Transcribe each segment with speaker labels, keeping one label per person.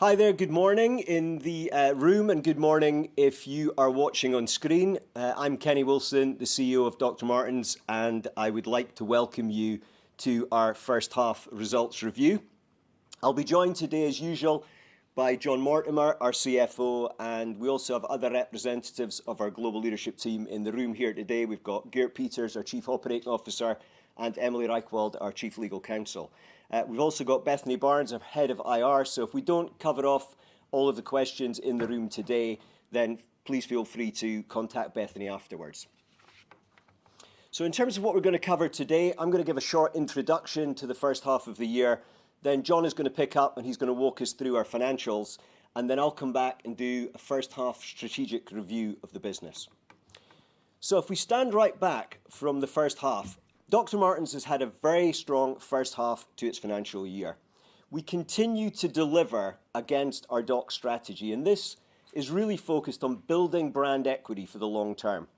Speaker 1: Hi there. Good morning in the room and good morning if you are watching on screen. I'm Kenny Wilson, the CEO of Dr. Martens, and I would like to welcome you to our H1 results review. I'll be joined today as usual by Jon Mortimore, our CFO, and we also have other representatives of our global leadership team in the room here today. We've got Geert Peeters, our Chief Operating Officer, and Emily Reichwald, our Chief Legal Counsel. We've also got Bethany Barnes, our Head of IR. If we don't cover off all of the questions in the room today, then please feel free to contact Bethany afterwards. In terms of what we're gonna cover today, I'm gonna give a short introduction to the H1 of the year, then Jon is gonna pick up and he's gonna walk us through our financials, and then I'll come back and do a H1 strategic review of the business. If we stand right back from the H1, Dr. Martens has had a very strong H1 to its financial year. We continue to deliver against our DOCS strategy, and this is really focused on building brand equity for the long term.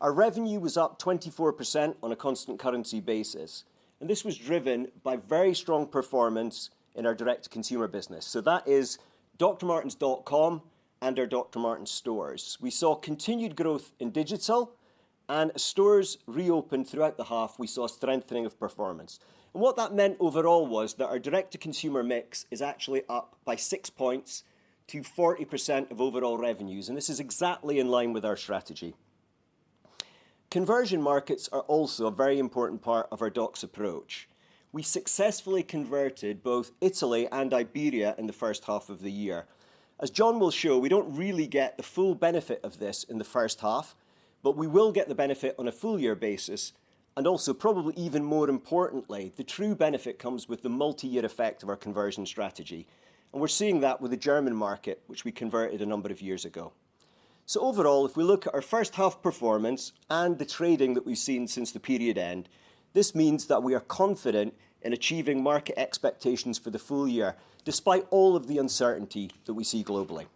Speaker 1: Our revenue was up 24% on a constant currency basis, and this was driven by very strong performance in our direct-to-consumer business. That is drmartens.com and our Dr. Martens stores. We saw continued growth in digital and stores reopened throughout the half. We saw strengthening of performance. What that meant overall was that our direct-to-consumer mix is actually up by six points to 40% of overall revenues, and this is exactly in line with our strategy. Conversion markets are also a very important part of our DOCS' approach. We successfully converted both Italy and Iberia in the H1 of the year. As Jon will show, we don't really get the full benefit of this in the H1, but we will get the benefit on a full year basis, and also probably even more importantly, the true benefit comes with the multi-year effect of our conversion strategy. We're seeing that with the German market, which we converted a number of years ago. Overall, if we look at our H1 performance and the trading that we've seen since the period end, this means that we are confident in achieving market expectations for the full year, despite all of the uncertainty that we see globally.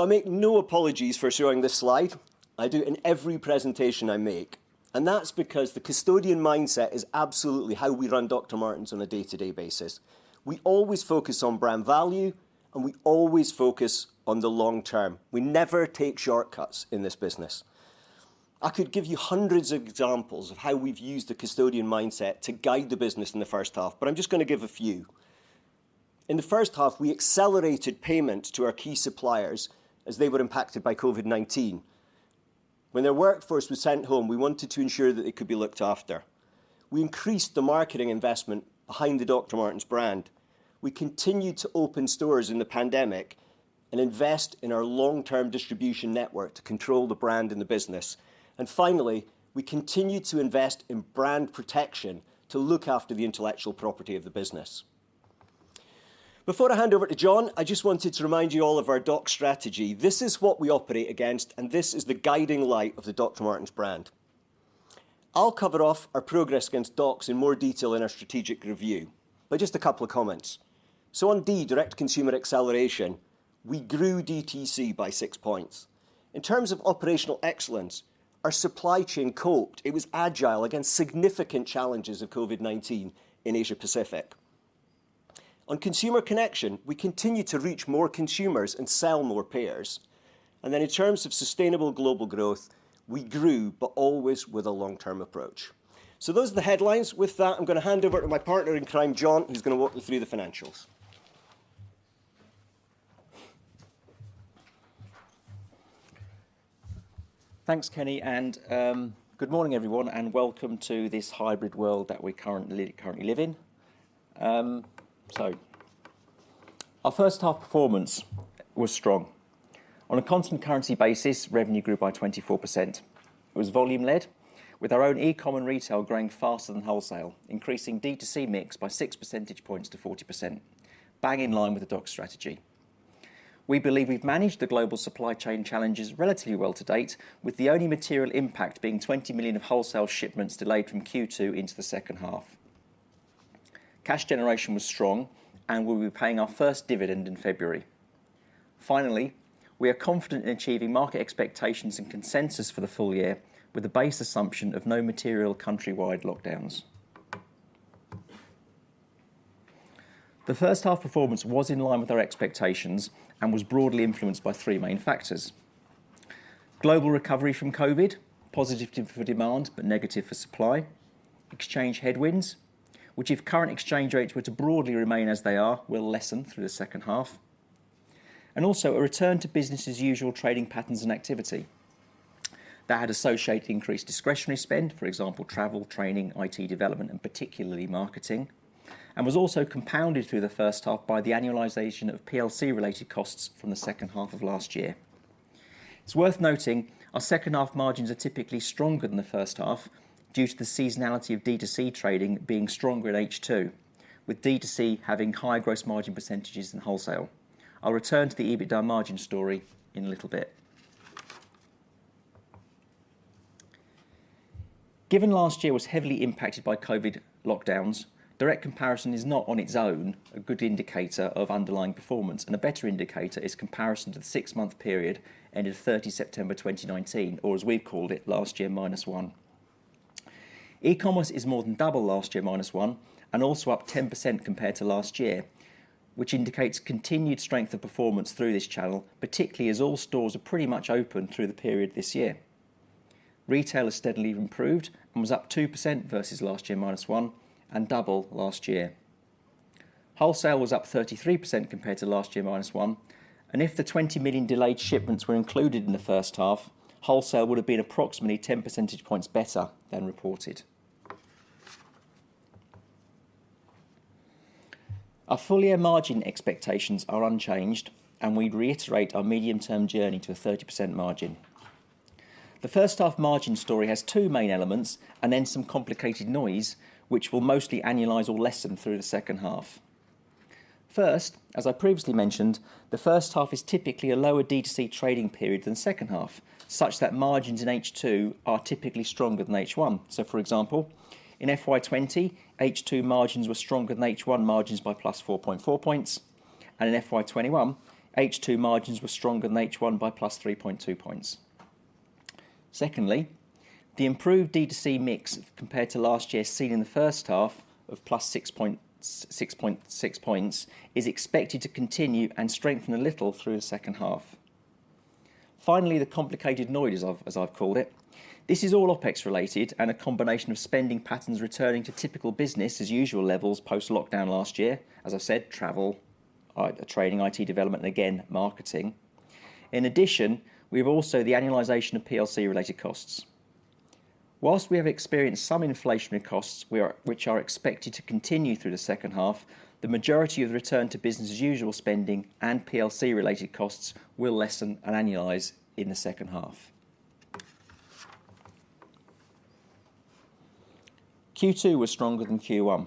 Speaker 1: I make no apologies for showing this slide. I do it in every presentation I make, and that's because the custodian mindset is absolutely how we run Dr. Martens on a day-to-day basis. We always focus on brand value, and we always focus on the long term. We never take shortcuts in this business. I could give you hundreds of examples of how we've used the custodian mindset to guide the business in the H1, but I'm just gonna give a few. In the H1, we accelerated payment to our key suppliers as they were impacted by COVID-19. When their workforce was sent home, we wanted to ensure that they could be looked after. We increased the marketing investment behind the Dr. Martens brand. We continued to open stores in the pandemic and invest in our long-term distribution network to control the brand and the business. Finally, we continued to invest in brand protection to look after the intellectual property of the business. Before I hand over to Jon, I just wanted to remind you all of our DOCS strategy. This is what we operate against, and this is the guiding light of the Dr. Martens brand. I'll cover off our progress against DOCS in more detail in our strategic review, but just a couple of comments. On D, direct consumer acceleration, we grew DTC by six points. In terms of operational excellence, our supply chain coped. It was agile against significant challenges of COVID-19 in Asia Pacific. On consumer connection, we continued to reach more consumers and sell more pairs. In terms of sustainable global growth, we grew, but always with a long-term approach. Those are the headlines. With that, I'm gonna hand over to my partner in crime, Jon Mortimore, who's gonna walk you through the financials.
Speaker 2: Thanks, Kenny, good morning, everyone, and welcome to this hybrid world that we currently live in. Our H1 performance was strong. On a constant currency basis, revenue grew by 24%. It was volume-led, with our own e-com and retail growing faster than wholesale, increasing D2C mix by 6 percentage points to 40%, bang in line with the DOCS strategy. We believe we've managed the global supply chain challenges relatively well to date, with the only material impact being 20 million of wholesale shipments delayed from Q2 into the H2. Cash generation was strong, and we'll be paying our first dividend in February. Finally, we are confident in achieving market expectations and consensus for the full year with the base assumption of no material country-wide lockdowns. The H1 performance was in line with our expectations and was broadly influenced by three main factors, global recovery from COVID, positive for demand but negative for supply, exchange headwinds, which if current exchange rates were to broadly remain as they are, will lessen through the H2, and a return to business as usual trading patterns and activity that had associated increased discretionary spend, for example, travel, training, IT development, and particularly marketing, and was also compounded through the H1 by the annualization of PLC related costs from the H2 of last year. It's worth noting our H2 margins are typically stronger than the H1 due to the seasonality of D2C trading being stronger in H2, with D2C having higher gross margin percentages than wholesale. I'll return to the EBITDA margin story in a little bit. Given last year was heavily impacted by COVID lockdowns, direct comparison is not on its own a good indicator of underlying performance, and a better indicator is comparison to the six-month period ended 30 September 2019, or as we've called it, last year minus one. E-commerce is more than double last year minus one, and also up 10% compared to last year, which indicates continued strength of performance through this channel, particularly as all stores are pretty much open through the period this year. Retail has steadily improved and was up 2% versus last year minus one and double last year. Wholesale was up 33% compared to last year minus one, and if the 20 million delayed shipments were included in the H1, wholesale would have been approximately 10 percentage points better than reported. Our full year margin expectations are unchanged, and we reiterate our medium-term journey to a 30% margin. The H1 margin story has two main elements and then some complicated noise which will mostly annualize or lessen through the H2. First, as I previously mentioned, the H1 is typically a lower D2C trading period than H2, such that margins in H2 are typically stronger than H1. For example, in FY 2020, H2 margins were stronger than H1 margins by +4.4 points, and in FY 2021, H2 margins were stronger than H1 by +3.2 points. Secondly, the improved D2C mix compared to last year seen in the H1 of +6.6 points is expected to continue and strengthen a little through the H2. Finally, the complicated noise as I've called it. This is all OpEx related and a combination of spending patterns returning to typical business as usual levels post-lockdown last year, as I said, travel, training, IT development, and again, marketing. In addition, we have also the annualization of PLC related costs. While we have experienced some inflationary costs, which are expected to continue through the H2, the majority of the return to business as usual spending and PLC related costs will lessen and annualize in the H2. Q2 was stronger than Q1.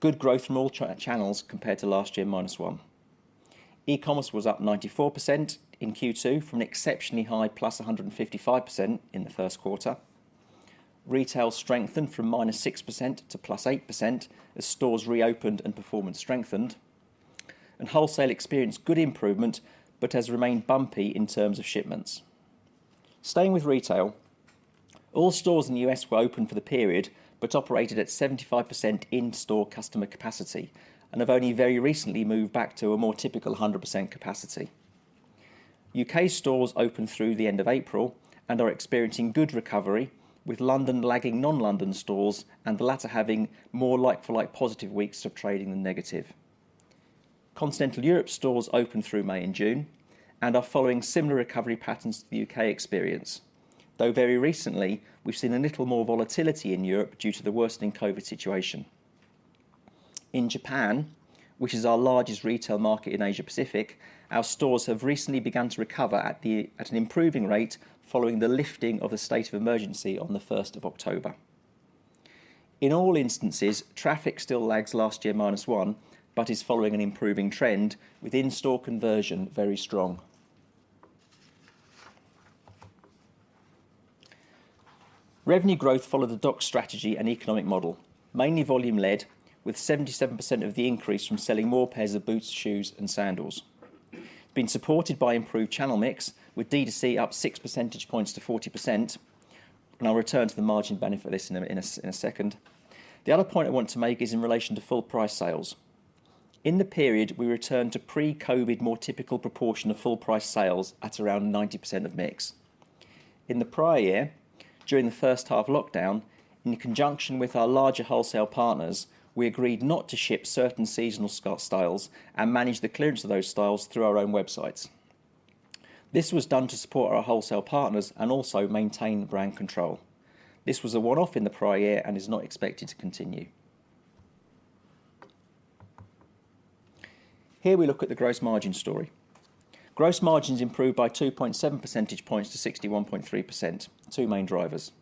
Speaker 2: Good growth from all channels compared to last year minus one. E-commerce was up 94% in Q2 from an exceptionally high +155% in the Q1. Retail strengthened from -6% to +8% as stores reopened and performance strengthened. Wholesale experienced good improvement, but has remained bumpy in terms of shipments. Staying with retail, all stores in the U.S. were open for the period, but operated at 75% in-store customer capacity and have only very recently moved back to a more typical 100% capacity. U.K. stores opened through the end of April and are experiencing good recovery, with London lagging non-London stores and the latter having more like for like positive weeks of trading than negative. Continental Europe stores opened through May and June and are following similar recovery patterns to the U.K. experience, though very recently we've seen a little more volatility in Europe due to the worsening COVID situation. In Japan, which is our largest retail market in Asia-Pacific, our stores have recently begun to recover at an improving rate following the lifting of the state of emergency on the first of October. In all instances, traffic still lags last year minus one, but is following an improving trend, with in-store conversion very strong. Revenue growth followed the DOCS strategy and economic model, mainly volume led, with 77% of the increase from selling more pairs of boots, shoes and sandals, being supported by improved channel mix with D2C up six percentage points to 40%, and I'll return to the margin benefit of this in a second. The other point I want to make is in relation to full price sales. In the period, we returned to pre-COVID more typical proportion of full price sales at around 90% of mix. In the prior year, during the H1 lockdown, in conjunction with our larger wholesale partners, we agreed not to ship certain seasonal styles and manage the clearance of those styles through our own websites. This was done to support our wholesale partners and also maintain brand control. This was a one-off in the prior year and is not expected to continue. Here we look at the gross margin story. Gross margins improved by 2.7 percentage points to 61.3%. Two main drivers.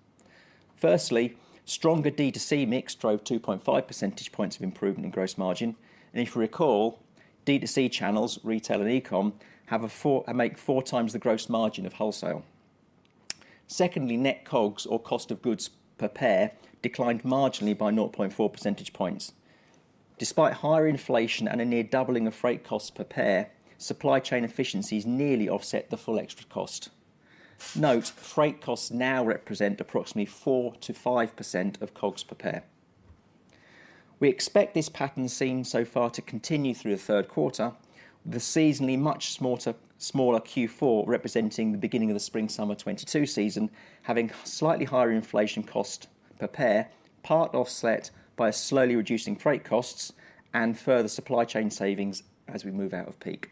Speaker 2: Firstly, stronger D2C mix drove 2.5 percentage points of improvement in gross margin. If you recall, D2C channels, retail and e-com, have 4x the gross margin of wholesale. Secondly, net COGS, or cost of goods per pair, declined marginally by 0.4 percentage points. Despite higher inflation and a near doubling of freight costs per pair, supply chain efficiencies nearly offset the full extra cost. Note freight costs now represent approximately 4%-5% of COGS per pair. We expect this pattern seen so far to continue through the Q3. The seasonally much smaller Q4 representing the beginning of the spring summer 2022 season, having slightly higher inflation cost per pair, part offset by a slowly reducing freight costs and further supply chain savings as we move out of peak.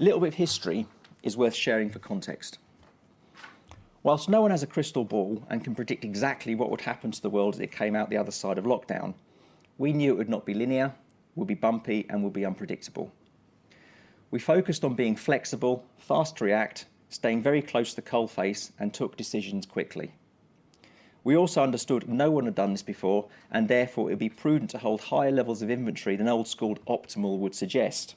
Speaker 2: A little bit of history is worth sharing for context. Whilst no one has a crystal ball and can predict exactly what would happen to the world as it came out the other side of lockdown, we knew it would not be linear, would be bumpy, and would be unpredictable. We focused on being flexible, fast to react, staying very close to the coal face, and took decisions quickly. We also understood no one had done this before and therefore it would be prudent to hold higher levels of inventory than old school optimal would suggest.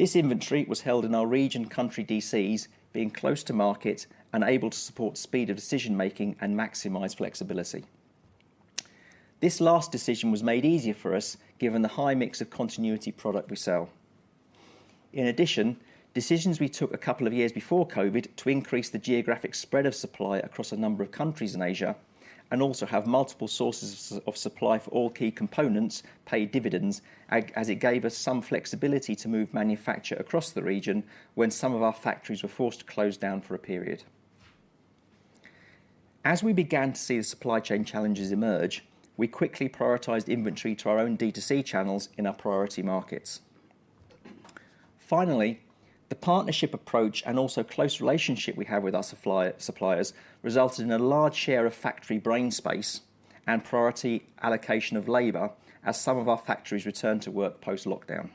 Speaker 2: This inventory was held in our region country DCs, being close to market and able to support speed of decision making and maximize flexibility. This last decision was made easier for us given the high mix of continuity product we sell. In addition, decisions we took a couple of years before COVID to increase the geographic spread of supply across a number of countries in Asia, and also have multiple sources of supply for all key components paid dividends as it gave us some flexibility to move manufacture across the region when some of our factories were forced to close down for a period. As we began to see the supply chain challenges emerge, we quickly prioritized inventory to our own D2C channels in our priority markets. Finally, the partnership approach and also close relationship we have with our suppliers resulted in a large share of factory floor space and priority allocation of labor as some of our factories returned to work post-lockdown.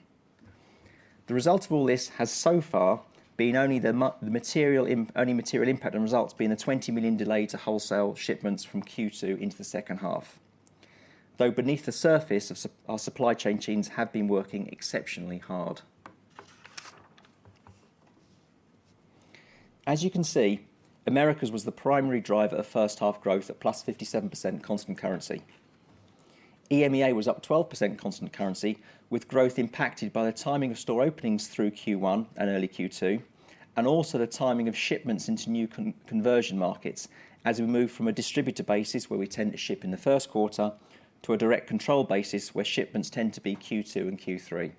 Speaker 2: The result of all this has so far been only material impact and results being a 20 million delay to wholesale shipments from Q2 into the H2, though beneath the surface our supply chain teams have been working exceptionally hard. As you can see, Americas was the primary driver of H1 growth at +57% constant currency. EMEA was up 12% constant currency with growth impacted by the timing of store openings through Q1 and early Q2, and also the timing of shipments into new conversion markets as we move from a distributor basis where we tend to ship in the Q1 to a direct control basis where shipments tend to be Q2 and Q3.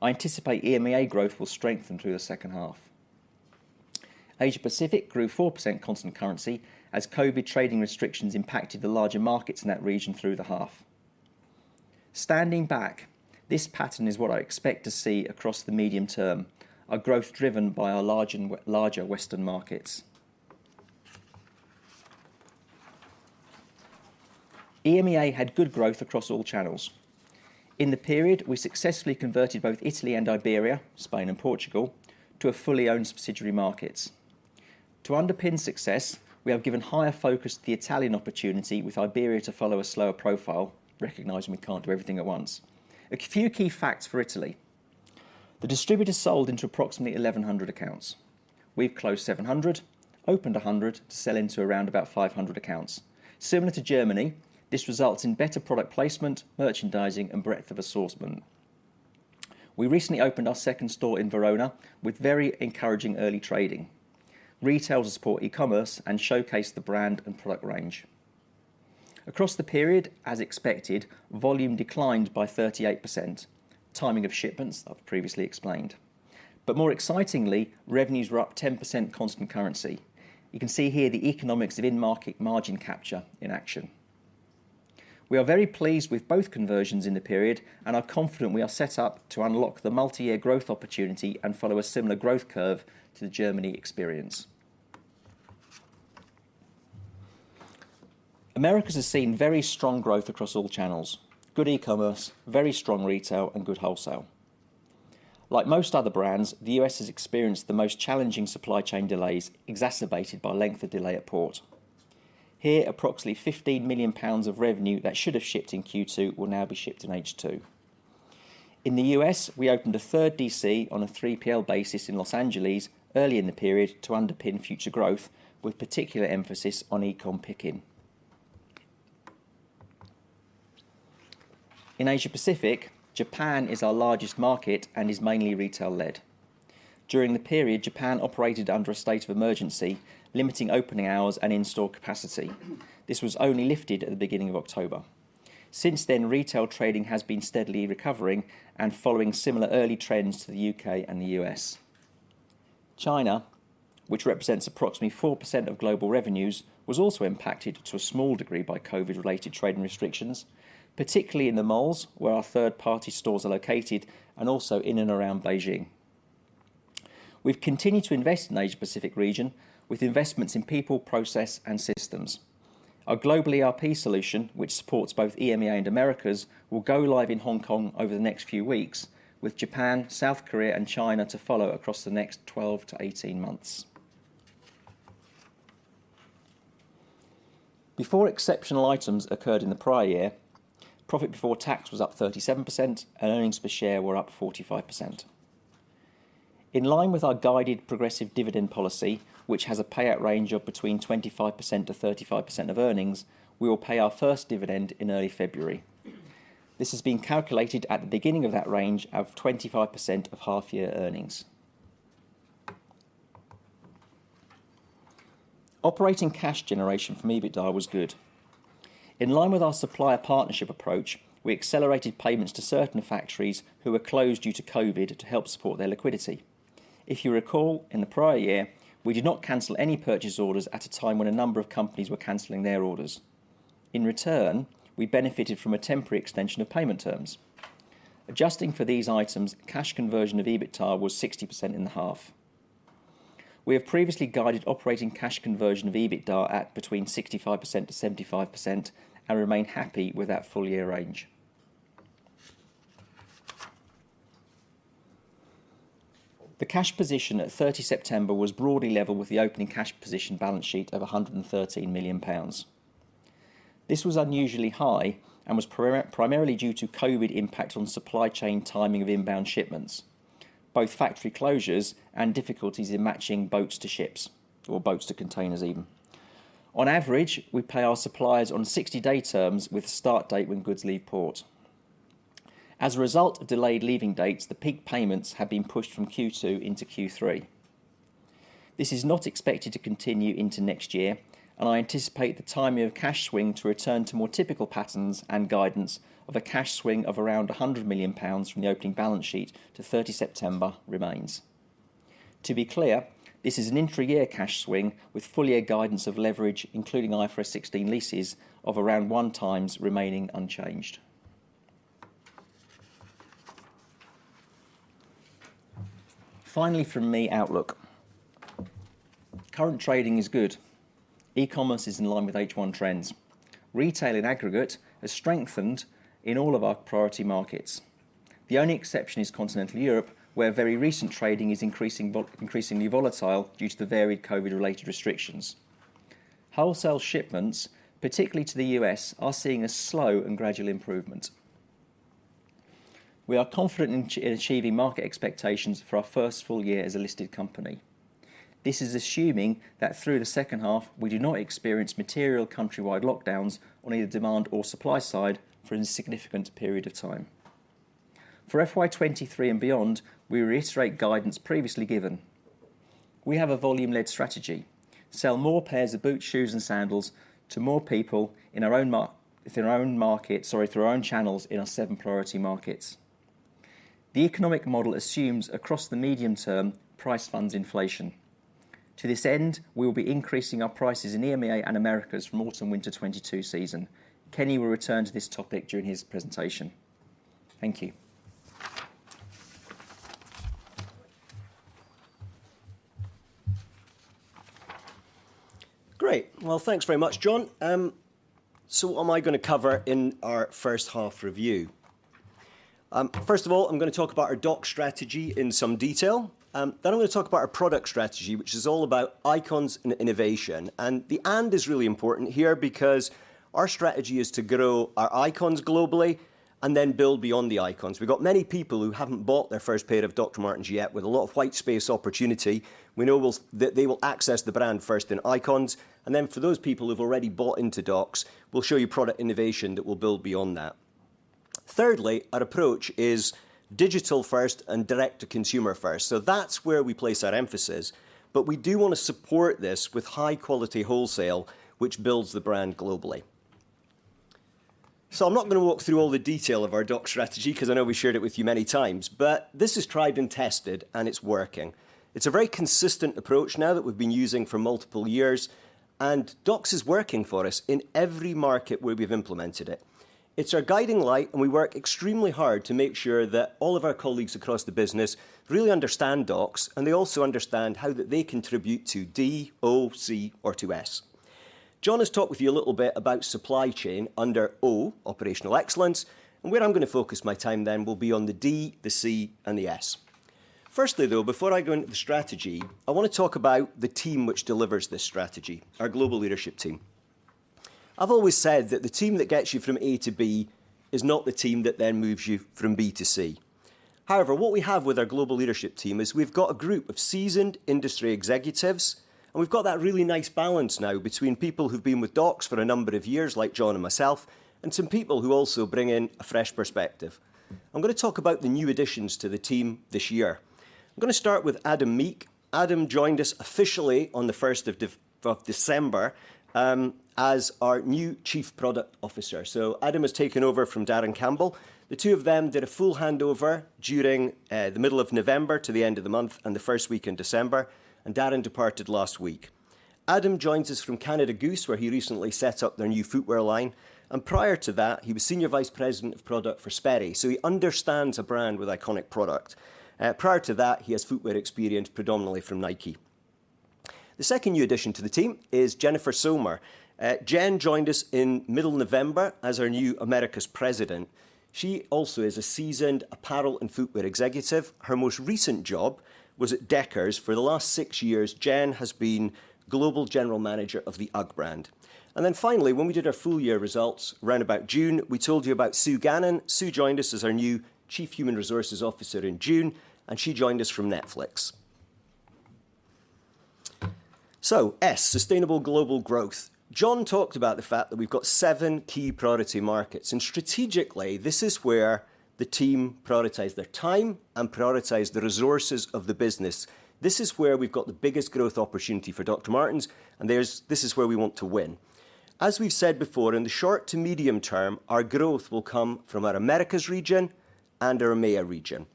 Speaker 2: I anticipate EMEA growth will strengthen through the H2. Asia Pacific grew 4% constant currency as COVID trading restrictions impacted the larger markets in that region through the half. Standing back, this pattern is what I expect to see across the medium term, our growth driven by our larger Western markets. EMEA had good growth across all channels. In the period, we successfully converted both Italy and Iberia, Spain and Portugal, to a fully owned subsidiary markets. To underpin success, we have given higher focus to the Italian opportunity with Iberia to follow a slower profile, recognizing we can't do everything at once. A few key facts for Italy. The distributors sold into approximately 1,100 accounts. We've closed 700, opened 100, sell into around about 500 accounts. Similar to Germany, this results in better product placement, merchandising and breadth of assortment. We recently opened our second store in Verona with very encouraging early trading, retail to support e-commerce and showcase the brand and product range. Across the period, as expected, volume declined by 38%. Timing of shipments I've previously explained. More excitingly, revenues were up 10% constant currency. You can see here the economics of in-market margin capture in action. We are very pleased with both conversions in the period and are confident we are set up to unlock the multi-year growth opportunity and follow a similar growth curve to the Germany experience. Americas has seen very strong growth across all channels. Good e-commerce, very strong retail and good wholesale. Like most other brands, the U.S. has experienced the most challenging supply chain delays, exacerbated by length of delay at port. Here, approximately 15 million pounds of revenue that should have shipped in Q2 will now be shipped in H2. In the U.S., we opened a third DC on a 3PL basis in Los Angeles early in the period to underpin future growth, with particular emphasis on e-com pick-in. In Asia Pacific, Japan is our largest market and is mainly retail lead. During the period, Japan operated under a state of emergency, limiting opening hours and in-store capacity. This was only lifted at the beginning of October. Since then, retail trading has been steadily recovering and following similar early trends to the U.K. and the U.S. China, which represents approximately 4% of global revenues, was also impacted to a small degree by COVID related trading restrictions, particularly in the malls where our third-party stores are located and also in and around Beijing. We've continued to invest in Asia Pacific region with investments in people, process and systems. Our global ERP solution, which supports both EMEA and Americas, will go live in Hong Kong over the next few weeks with Japan, South Korea and China to follow across the next 12-18 months. Before exceptional items occurred in the prior year, profit before tax was up 37% and earnings per share were up 45%. In line with our guided progressive dividend policy, which has a payout range of between 25%-35% of earnings, we will pay our first dividend in early February. This has been calculated at the beginning of that range of 25% of half-year earnings. Operating cash generation from EBITDA was good. In line with our supplier partnership approach, we accelerated payments to certain factories who were closed due to COVID to help support their liquidity. If you recall, in the prior year, we did not cancel any purchase orders at a time when a number of companies were canceling their orders. In return, we benefited from a temporary extension of payment terms. Adjusting for these items, cash conversion of EBITDA was 60% in the half. We have previously guided operating cash conversion of EBITDA at between 65%-75% and remain happy with that full year range. The cash position at 30 September was broadly level with the opening cash position balance sheet of 113 million pounds. This was unusually high and was primarily due to COVID impact on supply chain timing of inbound shipments. Both factory closures and difficulties in matching boots to ships or boots to containers, even. On average, we pay our suppliers on 60-day terms with start date when goods leave port. As a result of delayed leaving dates, the peak payments have been pushed from Q2 into Q3. This is not expected to continue into next year, and I anticipate the timing of cash swing to return to more typical patterns and guidance of a cash swing of around 100 million pounds from the opening balance sheet to 30 September remains. To be clear, this is an intra-year cash swing with full year guidance of leverage, including IFRS 16 leases of around 1x remaining unchanged. Finally from me, outlook. Current trading is good. E-commerce is in line with H1 trends. Retail in aggregate has strengthened in all of our priority markets. The only exception is Continental Europe, where very recent trading is increasingly volatile due to the varied COVID related restrictions. Wholesale shipments, particularly to the U.S., are seeing a slow and gradual improvement. We are confident in achieving market expectations for our first full year as a listed company. This is assuming that through the H2 we do not experience material countrywide lockdowns on either demand or supply side for any significant period of time. For FY 2023 and beyond, we reiterate guidance previously given. We have a volume-led strategy. Sell more pairs of boots, shoes and sandals to more people within our own channels in our seven priority markets. The economic model assumes across the medium term price funds inflation. To this end, we will be increasing our prices in EMEA and Americas from autumn/winter 2022 season. Kenny will return to this topic during his presentation. Thank you.
Speaker 1: Great. Well, thanks very much, Jon. So what am I gonna cover in our H1 review? First of all, I'm gonna talk about our Docs strategy in some detail. Then I'm gonna talk about our product strategy, which is all about icons and innovation, and the and is really important here because our strategy is to grow our icons globally and then build beyond the icons. We've got many people who haven't bought their first pair of Dr. Martens yet with a lot of white space opportunity. We know that they will access the brand first in icons and then for those people who've already bought into Docs, we'll show you product innovation that will build beyond that. Thirdly, our approach is digital first and direct to consumer first, so that's where we place our emphasis, but we do wanna support this with high quality wholesale, which builds the brand globally. I'm not gonna walk through all the detail of our DOCS strategy 'cause I know we've shared it with you many times, but this is tried and tested and it's working. It's a very consistent approach now that we've been using for multiple years, and DOCS is working for us in every market where we've implemented it. It's our guiding light, and we work extremely hard to make sure that all of our colleagues across the business really understand DOCS and they also understand how that they contribute to D, O, C or to S. Jon has talked with you a little bit about supply chain under O, operational excellence, and where I'm gonna focus my time then will be on the D, the C and the S. Firstly, though, before I go into the strategy, I wanna talk about the team which delivers this strategy, our global leadership team. I've always said that the team that gets you from A to B is not the team that then moves you from B to C. However, what we have with our global leadership team is we've got a group of seasoned industry executives, and we've got that really nice balance now between people who've been with DOCS for a number of years, like Jon and myself, and some people who also bring in a fresh perspective. I'm gonna talk about the new additions to the team this year. I'm gonna start with Adam Meek. Adam joined us officially on the 1st of December as our new Chief Product Officer. Adam has taken over from Darren Campbell. The two of them did a full handover during the middle of November to the end of the month and the first week in December, and Darren departed last week. Adam joins us from Canada Goose, where he recently set up their new footwear line, and prior to that, he was senior vice president of product for Sperry, so he understands a brand with iconic product. Prior to that, he has footwear experience predominantly from Nike. The second new addition to the team is Jennifer Somer. Jen joined us in middle November as our new Americas President. She also is a seasoned apparel and footwear executive. Her most recent job was at Deckers. For the last six years, Jen has been global general manager of the UGG brand. Then finally, when we did our full year results round about June, we told you about Sue Gannon. Sue joined us as our new Chief Human Resources Officer in June, and she joined us from Netflix. S, sustainable global growth. Jon Mortimore talked about the fact that we've got seven key priority markets, and strategically this is where the team prioritize their time and prioritize the resources of the business. This is where we've got the biggest growth opportunity for Dr. Martens, and this is where we want to win. As we've said before, in the short to medium term, our growth will come from our Americas region and our EMEA region.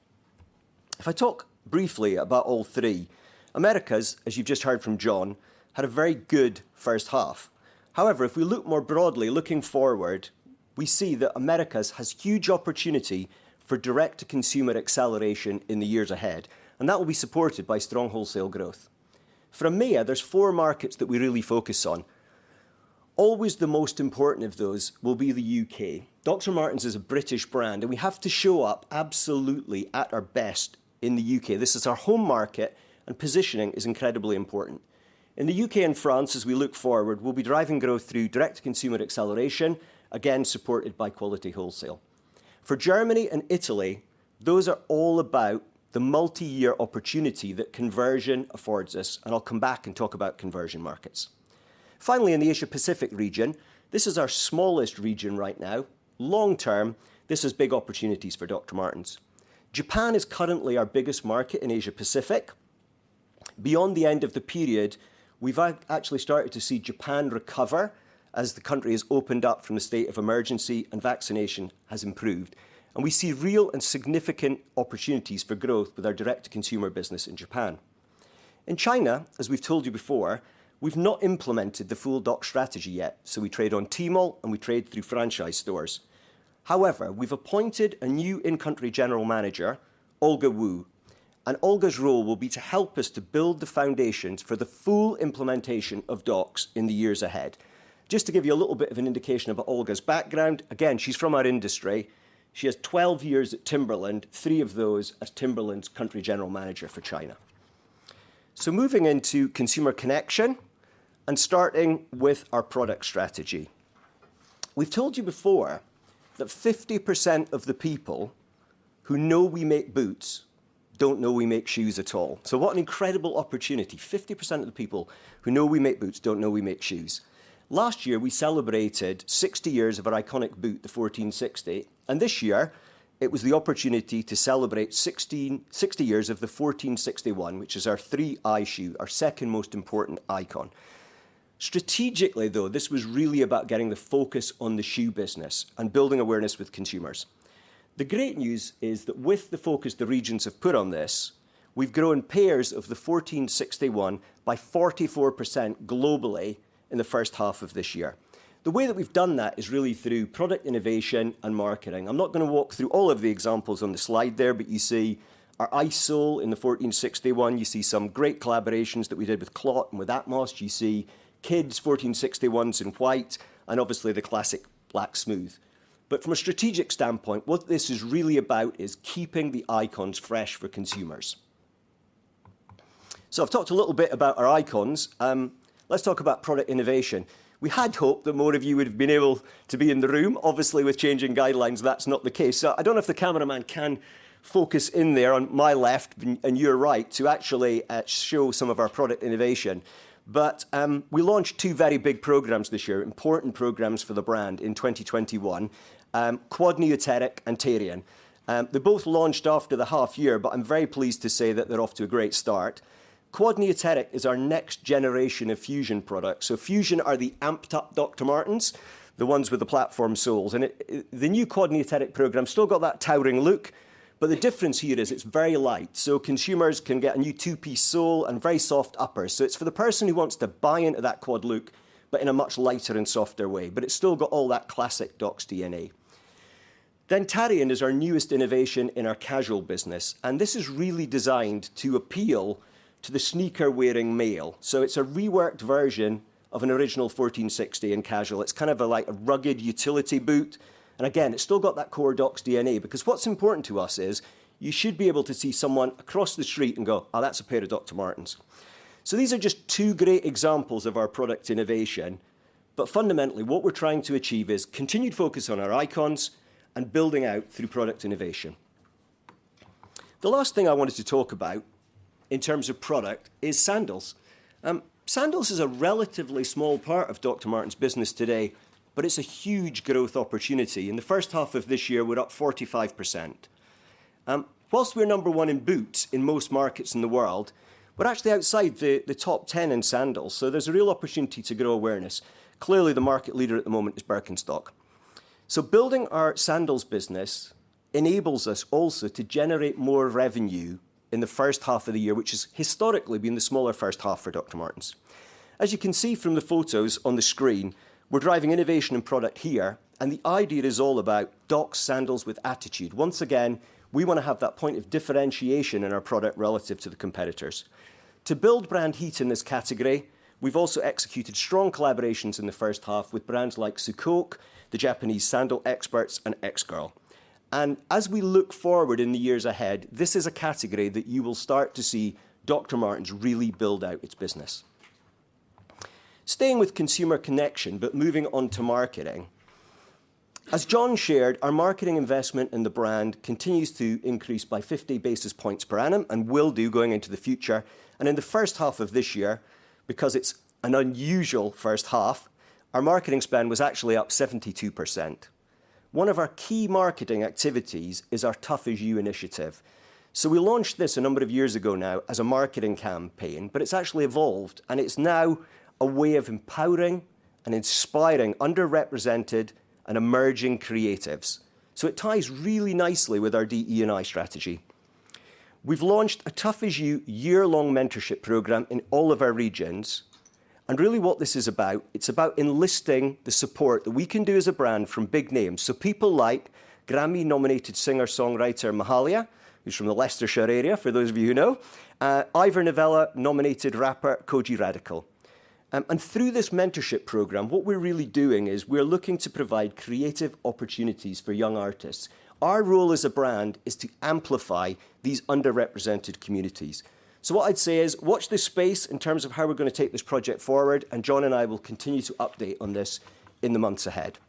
Speaker 1: If I talk briefly about all three, Americas, as you've just heard from Jon Mortimore, had a very good H1. However, if we look more broadly looking forward, we see that Americas has huge opportunity for direct to consumer acceleration in the years ahead, and that will be supported by strong wholesale growth. For EMEA, there's four markets that we really focus on. Always the most important of those will be the U.K. Dr. Martens is a British brand, and we have to show up absolutely at our best in the U.K. This is our home market, and positioning is incredibly important. In the U.K. and France as we look forward, we'll be driving growth through direct to consumer acceleration, again supported by quality wholesale. For Germany and Italy, those are all about the multi-year opportunity that conversion affords us, and I'll come back and talk about conversion markets. Finally, in the Asia Pacific region, this is our smallest region right now. Long term, this has big opportunities for Dr. Martens. Japan is currently our biggest market in Asia Pacific. Beyond the end of the period, we've actually started to see Japan recover as the country has opened up from the state of emergency and vaccination has improved, and we see real and significant opportunities for growth with our direct-to-consumer business in Japan. In China, as we've told you before, we've not implemented the full DTC strategy yet, so we trade on Tmall, and we trade through franchise stores. However, we've appointed a new in-country general manager, Olga Wu, and Olga's role will be to help us to build the foundations for the full implementation of DTCs in the years ahead. Just to give you a little bit of an indication about Olga's background, again, she's from our industry. She has 12 years at Timberland, three of those as Timberland's country general manager for China. Moving into consumer connection and starting with our product strategy. We've told you before that 50% of the people who know we make boots don't know we make shoes at all. What an incredible opportunity. 50% of the people who know we make boots don't know we make shoes. Last year, we celebrated 60 years of our iconic boot, the 1460, and this year it was the opportunity to celebrate 60 years of the 1461, which is our three-eye shoe, our second most important icon. Strategically, though, this was really about getting the focus on the shoe business and building awareness with consumers. The great news is that with the focus the regions have put on this, we've grown pairs of the 1461 by 44% globally in the H1 of this year. The way that we've done that is really through product innovation and marketing. I'm not gonna walk through all of the examples on the slide there, but you see our Iced Sole in the 1461. You see some great collaborations that we did with CLOT and with atmos. You see kids' 1461s in white and obviously the classic black smooth. From a strategic standpoint, what this is really about is keeping the icons fresh for consumers. I've talked a little bit about our icons. Let's talk about product innovation. We had hoped that more of you would've been able to be in the room. Obviously, with changing guidelines, that's not the case. I don't know if the cameraman can focus in there on my left and your right to actually show some of our product innovation. We launched two very big programs this year, important programs for the brand in 2021, Quad Neoteric and Tarian. They both launched after the half year, but I'm very pleased to say that they're off to a great start. Quad Neoteric is our next generation of Fusion products. Fusion are the amped up Dr. Martens, the ones with the platform soles, and it, the new Quad Neoteric program still got that towering look, but the difference here is it's very light, so consumers can get a new two-piece sole and very soft upper. It's for the person who wants to buy into that Quad look but in a much lighter and softer way, but it's still got all that classic DOCS DNA. Tarian is our newest innovation in our casual business, and this is really designed to appeal to the sneaker-wearing male. It's a reworked version of an original 1460 in casual. It's kind of like a rugged utility boot, and again, it's still got that core DOCS DNA because what's important to us is you should be able to see someone across the street and go, "Oh, that's a pair of Dr. Martens." These are just two great examples of our product innovation, but fundamentally what we're trying to achieve is continued focus on our icons and building out through product innovation. The last thing I wanted to talk about in terms of product is sandals. Sandals is a relatively small part of Dr. Martens' business today, but it's a huge growth opportunity. In the H1 of this year, we're up 45%. While we're number one in boots in most markets in the world, we're actually outside the top 10 in sandals, so there's a real opportunity to grow awareness. Clearly, the market leader at the moment is Birkenstock. Building our sandals business enables us also to generate more revenue in the H1 of the year, which has historically been the smaller H1 for Dr. Martens. As you can see from the photos on the screen, we're driving innovation in product here, and the idea is all about DOCS sandals with attitude. Once again, we wanna have that point of differentiation in our product relative to the competitors. To build brand heat in this category, we've also executed strong collaborations in the H1 with brands like Suicoke, the Japanese sandal experts, and X-girl. As we look forward in the years ahead, this is a category that you will start to see Dr. Martens really build out its business. Staying with consumer connection but moving on to marketing, as Jon shared, our marketing investment in the brand continues to increase by 50 basis points per annum and will do going into the future. In the H1 of this year, because it's an unusual H1, our marketing spend was actually up 72%. One of our key marketing activities is our Tough As You initiative. We launched this a number of years ago now as a marketing campaign, but it's actually evolved, and it's now a way of empowering and inspiring underrepresented and emerging creatives. It ties really nicely with our DE&I strategy. We've launched a Tough As You year-long mentorship program in all of our regions, and really what this is about, it's about enlisting the support that we can do as a brand from big names, so people like Grammy-nominated singer-songwriter Mahalia, who's from the Leicestershire area, for those of you who know, Ivor Novello-nominated rapper Kojey Radical. Through this mentorship program, what we're really doing is we're looking to provide creative opportunities for young artists. Our role as a brand is to amplify these underrepresented communities. So what I'd say is watch this space in terms of how we're gonna take this project forward, and Jon and I will continue to update on this in the months ahead.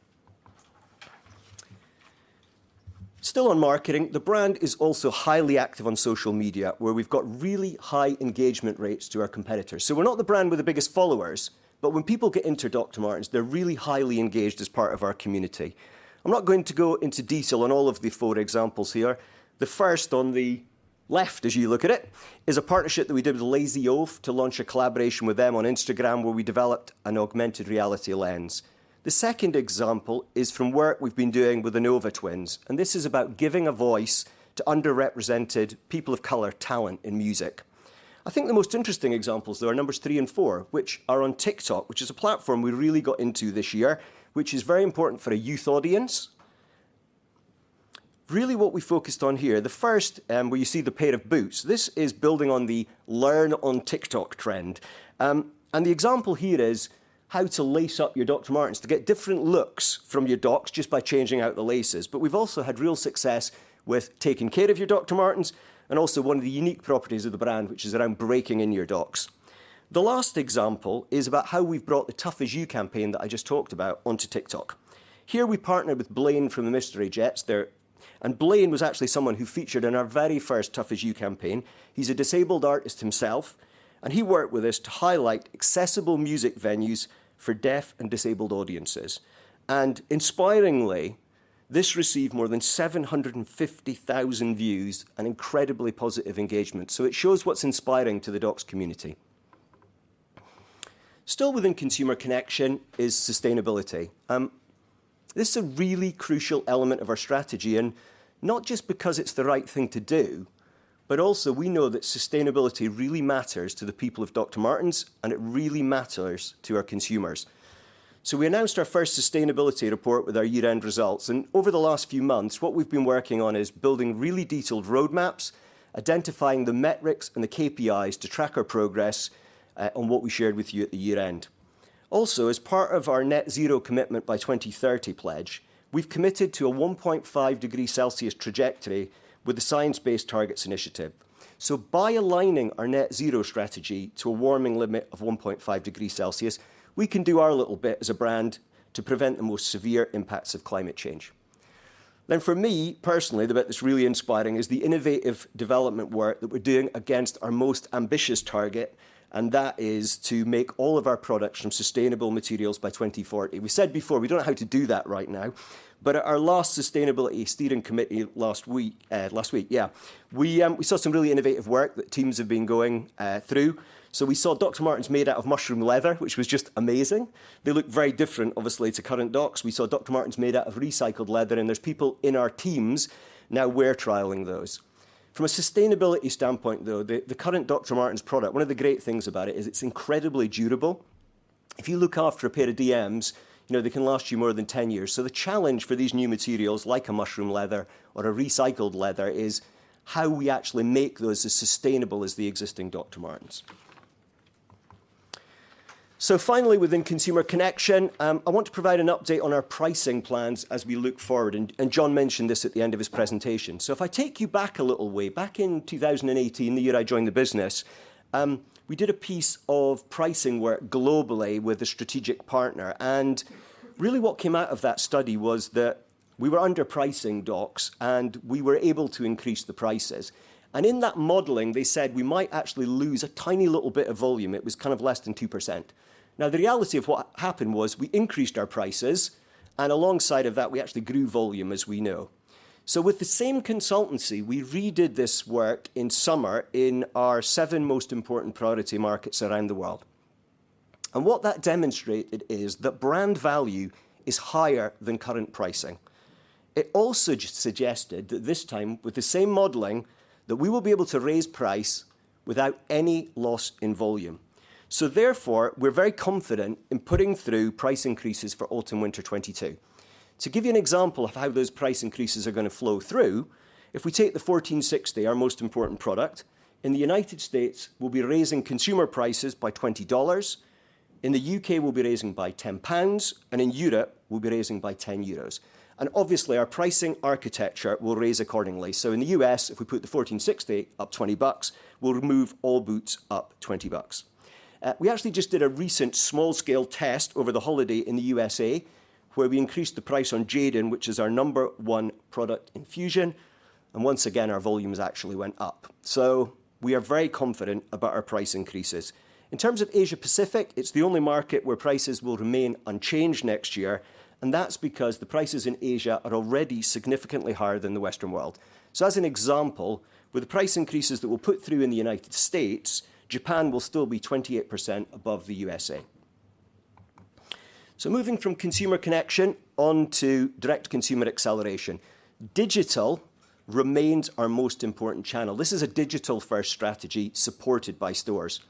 Speaker 1: Still on marketing, the brand is also highly active on social media, where we've got really high engagement rates to our competitors. We're not the brand with the biggest followers, but when people get into Dr. Martens, they're really highly engaged as part of our community. I'm not going to go into detail on all of the four examples here. The first on the left as you look at it, is a partnership that we did with Lazy Oaf to launch a collaboration with them on Instagram, where we developed an augmented reality lens. The second example is from work we've been doing with the Nova Twins, and this is about giving a voice to underrepresented people of color talent in music. I think the most interesting examples though are numbers three and four, which are on TikTok, which is a platform we really got into this year, which is very important for a youth audience. Really what we focused on here, the first, where you see the pair of boots, this is building on the Learn on TikTok trend. The example here is how to lace up your Dr. Martens to get different looks from your DOCS just by changing out the laces. We've also had real success with taking care of your Dr. Martens, and also one of the unique properties of the brand, which is around breaking in your DOCS. The last example is about how we've brought the Tough As You campaign that I just talked about onto TikTok. Here we partnered with Blaine from the Mystery Jets, and Blaine was actually someone who featured in our very first Tough As You campaign. He's a disabled artist himself, and he worked with us to highlight accessible music venues for deaf and disabled audiences. Inspiringly, this received more than 750,000 views and incredibly positive engagement. It shows what's inspiring to the DOCS community. Still within consumer connection is sustainability. This is a really crucial element of our strategy, and not just because it's the right thing to do, but also we know that sustainability really matters to the people of Dr. Martens, and it really matters to our consumers. We announced our first sustainability report with our year-end results, and over the last few months, what we've been working on is building really detailed roadmaps, identifying the metrics and the KPIs to track our progress on what we shared with you at the year-end. Also, as part of our net zero commitment by 2030 pledge, we've committed to a 1.5 degree Celsius trajectory with the Science Based Targets initiative. By aligning our net zero strategy to a warming limit of 1.5 degrees Celsius, we can do our little bit as a brand to prevent the most severe impacts of climate change. Now, for me personally, the bit that's really inspiring is the innovative development work that we're doing against our most ambitious target, and that is to make all of our products from sustainable materials by 2040. We said before, we don't know how to do that right now, but at our last sustainability steering committee last week, we saw some really innovative work that teams have been going through. We saw Dr. Martens made out of mushroom leather, which was just amazing. They look very different obviously to current DOCS. We saw Dr. Martens made out of recycled leather, and there's people in our teams now wearing trialing those. From a sustainability standpoint though, the current Dr. Martens product, one of the great things about it is it's incredibly durable. If you look after a pair of DMs, you know, they can last you more than 10 years. The challenge for these new materials, like a mushroom leather or a recycled leather, is how we actually make those as sustainable as the existing Dr. Martens. Finally, within consumer connection, I want to provide an update on our pricing plans as we look forward, and Jon mentioned this at the end of his presentation. If I take you back a little way, back in 2018, the year I joined the business, we did a piece of pricing work globally with a strategic partner, and really what came out of that study was that we were underpricing DOCS, and we were able to increase the prices. In that modeling, they said we might actually lose a tiny little bit of volume. It was kind of less than 2%. Now, the reality of what happened was we increased our prices, and alongside of that, we actually grew volume as we know. With the same consultancy, we redid this work in summer in our seven most important priority markets around the world. What that demonstrated is that brand value is higher than current pricing. It also suggested that this time with the same modeling, that we will be able to raise price without any loss in volume. Therefore, we're very confident in putting through price increases for autumn/winter 2022. To give you an example of how those price increases are gonna flow through, if we take the 1460, our most important product, in the United States, we'll be raising consumer prices by $20, in the U.K. we'll be raising by 10 pounds, and in Europe we'll be raising by 10 euros. Obviously, our pricing architecture will raise accordingly. In the U.S., if we put the 1460 up $20, we'll move all boots up $20. We actually just did a recent small scale test over the holiday in the USA, where we increased the price on Jadon, which is our number one product in Fusion, and once again, our volumes actually went up. We are very confident about our price increases. In terms of Asia Pacific, it's the only market where prices will remain unchanged next year, and that's because the prices in Asia are already significantly higher than the Western world. As an example, with the price increases that we'll put through in the United States, Japan will still be 28% above the USA. Moving from consumer connection onto direct consumer acceleration. Digital remains our most important channel. This is a digital-first strategy supported by stores.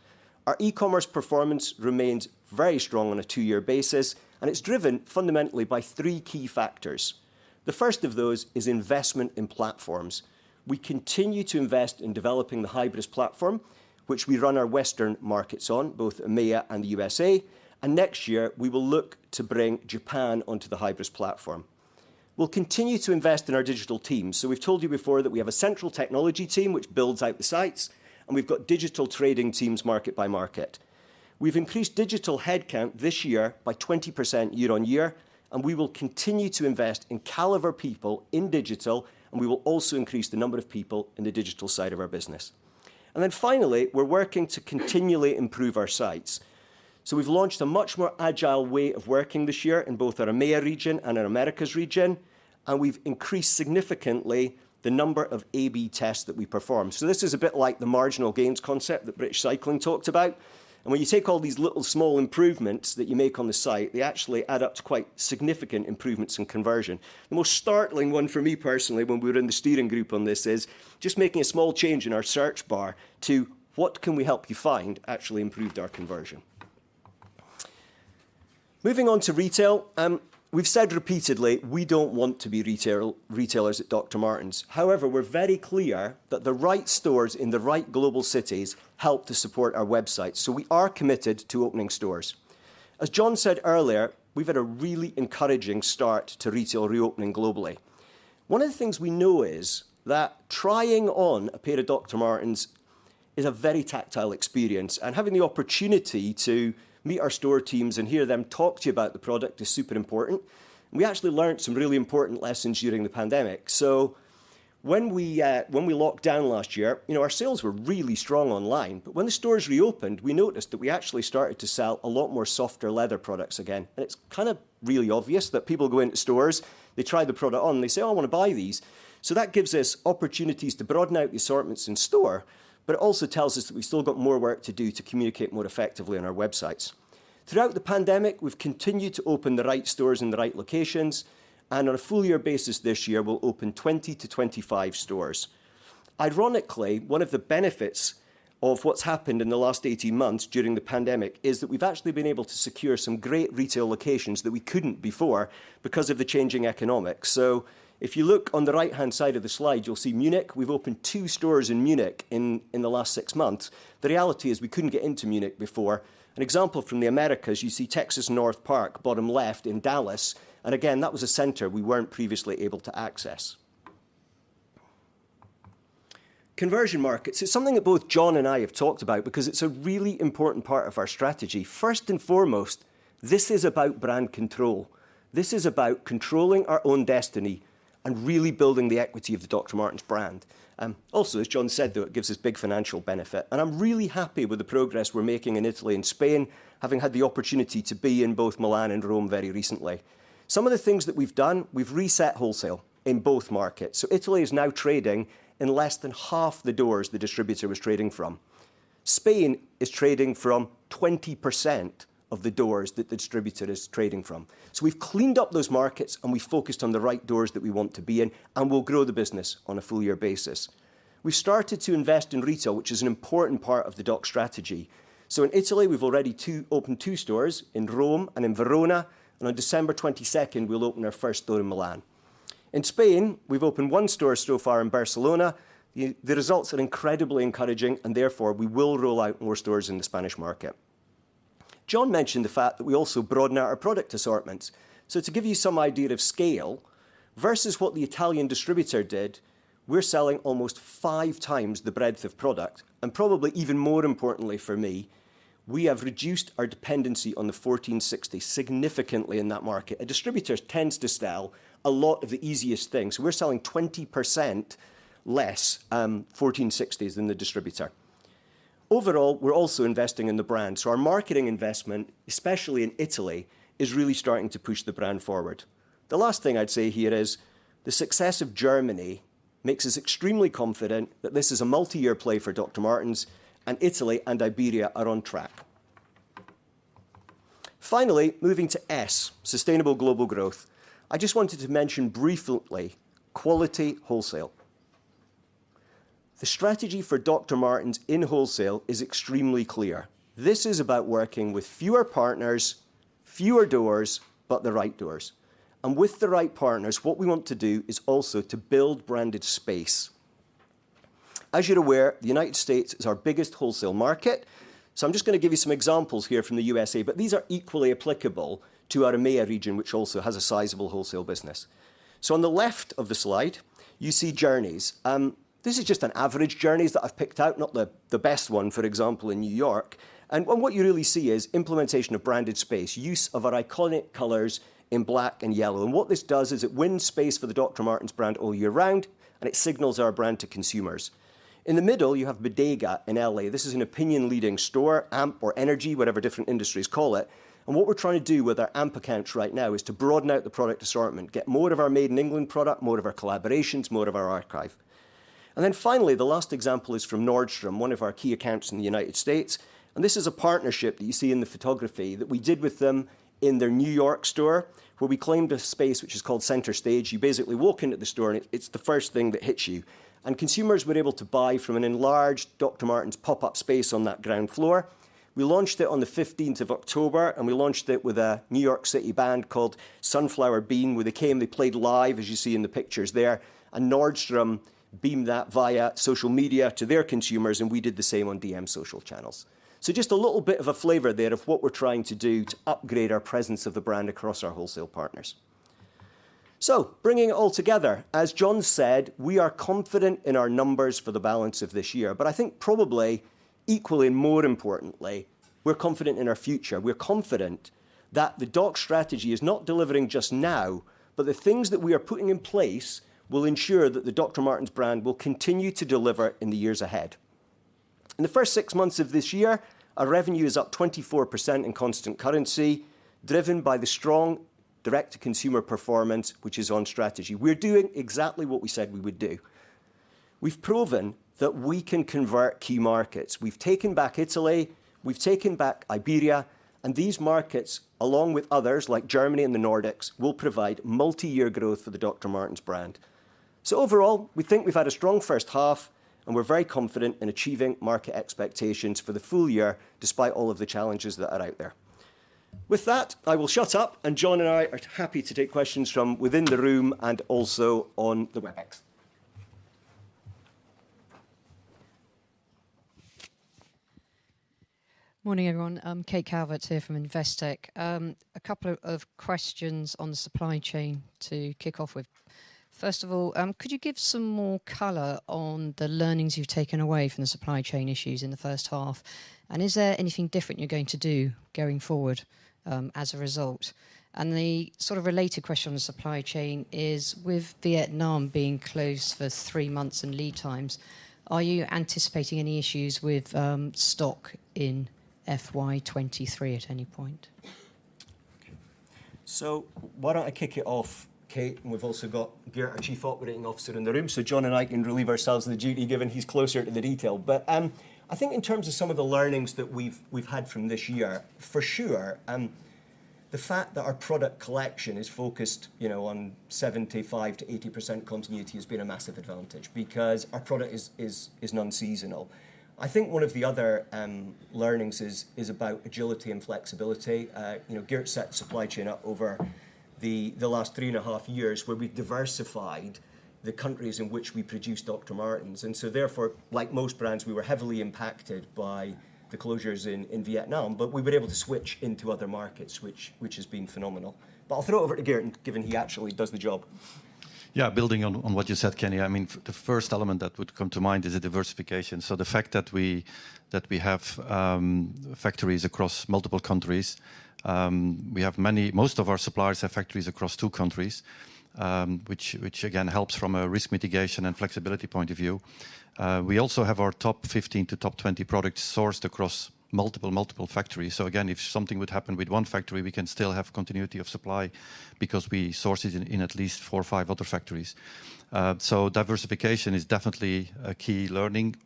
Speaker 1: Our e-commerce performance remains very strong on a two-year basis, and it's driven fundamentally by three key factors. The first of those is investment in platforms. We continue to invest in developing the Hybris platform, which we run our Western markets on, both EMEA and the U.S., and next year we will look to bring Japan onto the Hybris platform. We'll continue to invest in our digital teams. We've told you before that we have a central technology team which builds out the sites, and we've got digital trading teams market by market. We've increased digital headcount this year by 20% year on year, and we will continue to invest in caliber people in digital, and we will also increase the number of people in the digital side of our business. Finally, we're working to continually improve our sites. We've launched a much more agile way of working this year in both our EMEA region and our Americas region, and we've increased significantly the number of A/B tests that we perform. This is a bit like the marginal gains concept that British Cycling talked about. When you take all these little small improvements that you make on the site, they actually add up to quite significant improvements in conversion. The most startling one for me personally when we were in the steering group on this is just making a small change in our search bar to, "What can we help you find?" actually improved our conversion. Moving on to retail, we've said repeatedly we don't want to be retailers at Dr. Martens. However, we're very clear that the right stores in the right global cities help to support our website, so we are committed to opening stores. As Jon said earlier, we've had a really encouraging start to retail reopening globally. One of the things we know is that trying on a pair of Dr. Martens is a very tactile experience, and having the opportunity to meet our store teams and hear them talk to you about the product is super important, and we actually learned some really important lessons during the pandemic. When we locked down last year, you know, our sales were really strong online. When the stores reopened, we noticed that we actually started to sell a lot more softer leather products again. It's kind of really obvious that people go into stores, they try the product on, and they say, "I wanna buy these." That gives us opportunities to broaden out the assortments in store, but it also tells us that we've still got more work to do to communicate more effectively on our websites. Throughout the pandemic, we've continued to open the right stores in the right locations, and on a full year basis this year, we'll open 20-25 stores. Ironically, one of the benefits of what's happened in the last 18 months during the pandemic is that we've actually been able to secure some great retail locations that we couldn't before because of the changing economics. If you look on the right-hand side of the slide, you'll see Munich. We've opened two stores in Munich in the last 6 months. The reality is we couldn't get into Munich before. An example from the Americas, you see NorthPark Center, bottom left, in Dallas, and again, that was a center we weren't previously able to access. Concession markets. It's something that both Jon and I have talked about because it's a really important part of our strategy. First and foremost, this is about brand control. This is about controlling our own destiny and really building the equity of the Dr. Martens brand. Also, as Jon said though, it gives us big financial benefit, and I'm really happy with the progress we're making in Italy and Spain, having had the opportunity to be in both Milan and Rome very recently. Some of the things that we've done, we've reset wholesale in both markets, so Italy is now trading in less than half the doors the distributor was trading from. Spain is trading from 20% of the doors that the distributor is trading from. We've cleaned up those markets, and we've focused on the right doors that we want to be in, and we'll grow the business on a full year basis. We've started to invest in retail, which is an important part of the DOCS strategy. In Italy, we've already opened two stores, in Rome and in Verona, and on December 22nd, we'll open our first store in Milan. In Spain, we've opened 1 store so far in Barcelona. The results are incredibly encouraging, and therefore, we will roll out more stores in the Spanish market. Jon mentioned the fact that we also broaden out our product assortments. To give you some idea of scale, versus what the Italian distributor did, we're selling almost 5x the breadth of product, and probably even more importantly for me, we have reduced our dependency on the 1460 significantly in that market. A distributor tends to sell a lot of the easiest things. We're selling 20% less 1460s than the distributor. Overall, we're also investing in the brand, so our marketing investment, especially in Italy, is really starting to push the brand forward. The last thing I'd say here is the success of Germany makes us extremely confident that this is a multi-year play for Dr. Martens, and Italy and Iberia are on track. Finally, moving to S, sustainable global growth. I just wanted to mention briefly quality wholesale. The strategy for Dr. Martens in wholesale is extremely clear. This is about working with fewer partners, fewer doors, but the right doors. With the right partners, what we want to do is also to build branded space. As you're aware, the United States is our biggest wholesale market, so I'm just gonna give you some examples here from the USA. These are equally applicable to our EMEA region, which also has a sizable wholesale business. On the left of the slide, you see Journeys. This is just an average Journeys that I've picked out, not the best one, for example, in New York. What you really see is implementation of branded space, use of our iconic colors in black and yellow. What this does is it wins space for the Dr. Martens brand all year round, and it signals our brand to consumers. In the middle, you have Bodega in L.A. This is an opinion leading store, AMP or energy, whatever different industries call it, and what we're trying to do with our AMP accounts right now is to broaden out the product assortment, get more of our Made in England product, more of our collaborations, more of our archive. Then finally, the last example is from Nordstrom, one of our key accounts in the United States, and this is a partnership that you see in the photography that we did with them in their New York store, where we claimed a space which is called Center Stage. You basically walk into the store, and it's the first thing that hits you. Consumers were able to buy from an enlarged Dr. Martens pop-up space on that ground floor. We launched it on the 15th of October, and we launched it with a New York City band called Sunflower Bean, where they came, they played live, as you see in the pictures there, and Nordstrom beamed that via social media to their consumers, and we did the same on DM social channels. Just a little bit of a flavor there of what we're trying to do to upgrade our presence of the brand across our wholesale partners. Bringing it all together, as Jon said, we are confident in our numbers for the balance of this year. I think probably equally more importantly, we're confident in our future. We're confident that the DOCS strategy is not delivering just now, but the things that we are putting in place will ensure that the Dr. Martens brand will continue to deliver in the years ahead. In the first six months of this year, our revenue is up 24% in constant currency, driven by the strong direct to consumer performance, which is on strategy. We're doing exactly what we said we would do. We've proven that we can convert key markets. We've taken back Italy, we've taken back Iberia, and these markets, along with others, like Germany and the Nordics, will provide multi-year growth for the Dr. Martens brand. Overall, we think we've had a strong H1, and we're very confident in achieving market expectations for the full year, despite all of the challenges that are out there. With that, I will shut up and Jon and I are happy to take questions from within the room and also on the Webex.
Speaker 3: Morning, everyone. I'm Kate Calvert here from Investec. A couple of questions on the supply chain to kick off with. First of all, could you give some more color on the learnings you've taken away from the supply chain issues in the H1? Is there anything different you're going to do going forward as a result? The sort of related question on the supply chain is, with Vietnam being closed for three months and lead times, are you anticipating any issues with stock in FY 2023 at any point?
Speaker 1: Okay. Why don't I kick it off, Kate, and we've also got Geert, our Chief Operating Officer in the room, so Jon and I can relieve ourselves of the duty given he's closer to the detail. I think in terms of some of the learnings that we've had from this year, for sure, the fact that our product collection is focused, you know, on 75%-80% continuity has been a massive advantage because our product is non-seasonal. I think one of the other learnings is about agility and flexibility. You know, Geert set supply chain up over the last 3.5 years where we diversified the countries in which we produce Dr. Martens. Therefore, like most brands, we were heavily impacted by the closures in Vietnam, but we've been able to switch into other markets, which has been phenomenal. I'll throw it over to Geert given he actually does the job.
Speaker 4: Yeah. Building on what you said, Kenny. I mean, the first element that would come to mind is the diversification. The fact that we have factories across multiple countries, most of our suppliers have factories across two countries, which again helps from a risk mitigation and flexibility point of view. We also have our top 15 to top 20 products sourced across multiple factories. Again, if something would happen with one factory, we can still have continuity of supply because we source it in at least four or five other factories. Diversification is definitely a key learning.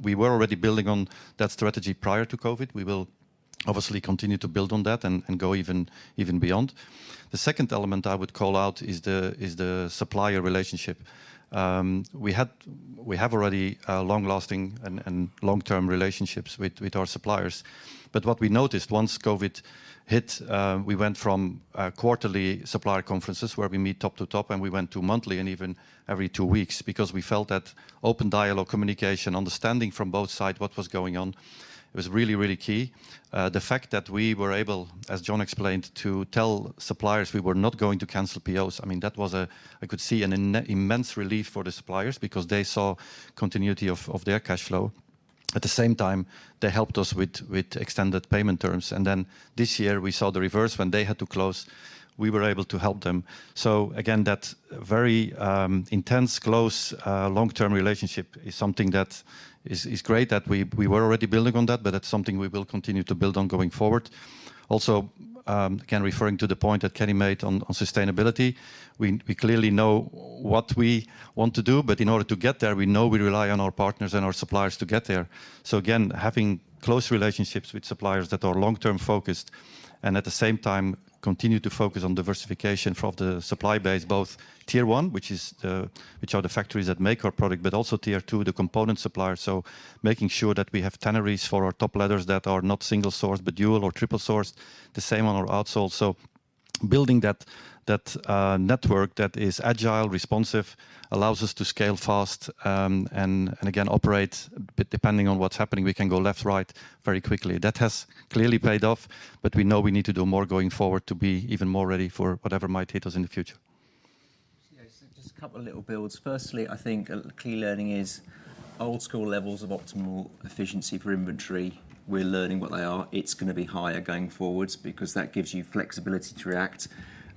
Speaker 4: We were already building on that strategy prior to COVID. We will obviously continue to build on that and go even beyond. The second element I would call out is the supplier relationship. We have already long lasting and long-term relationships with our suppliers. What we noticed once COVID hit, we went from quarterly supplier conferences where we meet top to top, and we went to monthly and even every two weeks because we felt that open dialogue, communication, understanding from both sides what was going on was really key. The fact that we were able, as Jon explained, to tell suppliers we were not going to cancel POs, I mean, I could see an immense relief for the suppliers because they saw continuity of their cash flow. At the same time, they helped us with extended payment terms. This year we saw the reverse. When they had to close, we were able to help them. Again, that very intense close long-term relationship is something that is great that we were already building on that, but that's something we will continue to build on going forward. Also, again, referring to the point that Kenny made on sustainability, we clearly know what we want to do, but in order to get there, we know we rely on our partners and our suppliers to get there. Again, having close relationships with suppliers that are long-term focused and at the same time continue to focus on diversification of the supply base, both tier one, which are the factories that make our product, but also tier two, the component suppliers. Making sure that we have tanneries for our top leathers that are not single sourced, but dual or triple sourced, the same on our outsoles. Building that network that is agile, responsive, allows us to scale fast, and again, operate depending on what's happening, we can go left to right very quickly. That has clearly paid off, but we know we need to do more going forward to be even more ready for whatever might hit us in the future.
Speaker 1: Yeah. Just a couple of little builds. Firstly, I think a key learning is old school levels of optimal efficiency for inventory. We're learning what they are. It's gonna be higher going forward because that gives you flexibility to react.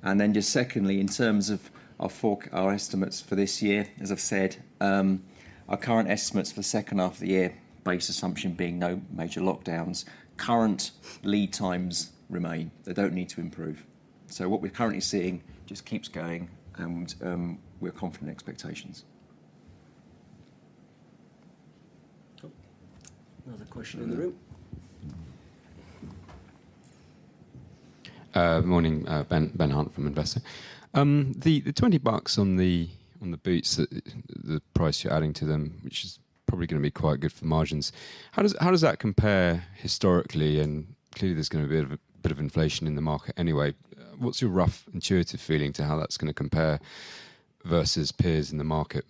Speaker 1: Just secondly, in terms of our estimates for this year, as I've said, our current estimates for the H2 of the year base assumption being no major lockdowns, current lead times remain. They don't need to improve. What we're currently seeing just keeps going and we're confident in expectations.
Speaker 3: Cool. Another question in the room.
Speaker 5: Morning. Ben Hunt from Investec. The $20 on the boots, the price you're adding to them, which is probably gonna be quite good for margins, how does that compare historically? Clearly there's gonna be a bit of inflation in the market anyway. What's your rough intuitive feeling to how that's gonna compare versus peers in the market?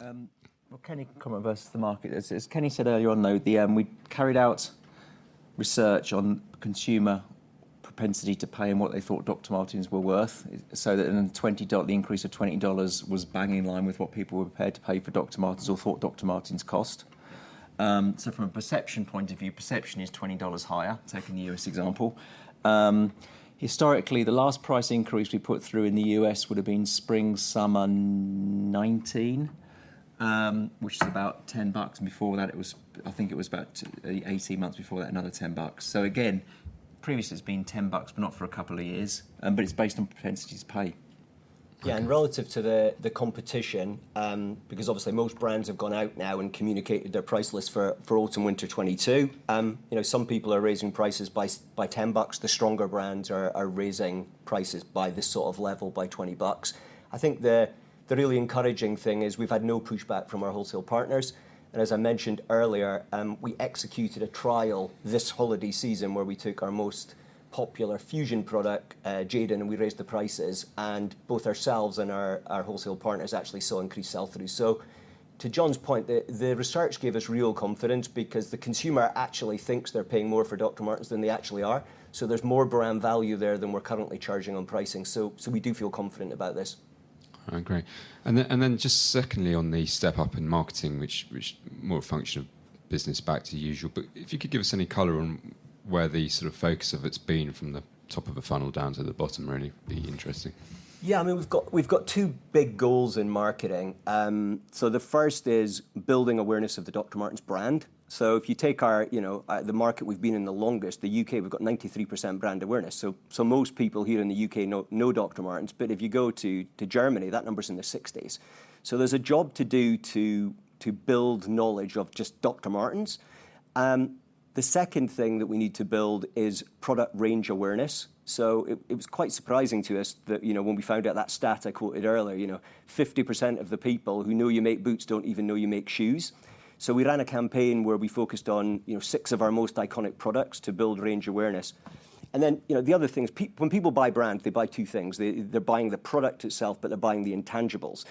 Speaker 2: Well, Kenny can comment versus the market. As Kenny said earlier on, though, we carried out Research on consumer propensity to pay and what they thought Dr. Martens were worth. That the increase of $20 was bang in line with what people were prepared to pay for Dr. Martens or thought Dr. Martens cost. From a perception point of view, perception is $20 higher, taking the U.S. example. Historically, the last price increase we put through in the U.S. would have been spring, summer 2019, which is about $10. Before that it was, I think, about 18 months before that, another $10. Again, previously it's been $10, but not for a couple of years. It's based on propensity to pay.
Speaker 1: Yeah. Relative to the competition, because obviously most brands have gone out now and communicated their price list for autumn/winter 2022. You know, some people are raising prices by $10. The stronger brands are raising prices by this sort of level, by $20. I think the really encouraging thing is we've had no pushback from our wholesale partners. As I mentioned earlier, we executed a trial this holiday season where we took our most popular Fusion product, Jadon, and we raised the prices and both ourselves and our wholesale partners actually saw increased sell-through. To Jon's point, the research gave us real confidence because the consumer actually thinks they're paying more for Dr. Martens than they actually are. There's more brand value there than we're currently charging on pricing. We do feel confident about this.
Speaker 5: I agree. Just secondly, on the step up in marketing, which is more a function of back to business as usual, but if you could give us any color on where the sort of focus has been from the top of the funnel down to the bottom would only be interesting.
Speaker 1: Yeah, I mean, we've got two big goals in marketing. The first is building awareness of the Dr. Martens brand. If you take our, you know, the market we've been in the longest, the U.K., we've got 93% brand awareness. Most people here in the U.K. know Dr. Martens, but if you go to Germany, that number's in the 60s. There's a job to do to build knowledge of just Dr. Martens. The second thing that we need to build is product range awareness. It was quite surprising to us that, you know, when we found out that stat I quoted earlier, you know, 50% of the people who know you make boots don't even know you make shoes. We ran a campaign where we focused on, you know, six of our most iconic products to build range awareness. You know, the other thing is when people buy brands, they buy two things. They're buying the product itself, but they're buying the intangibles.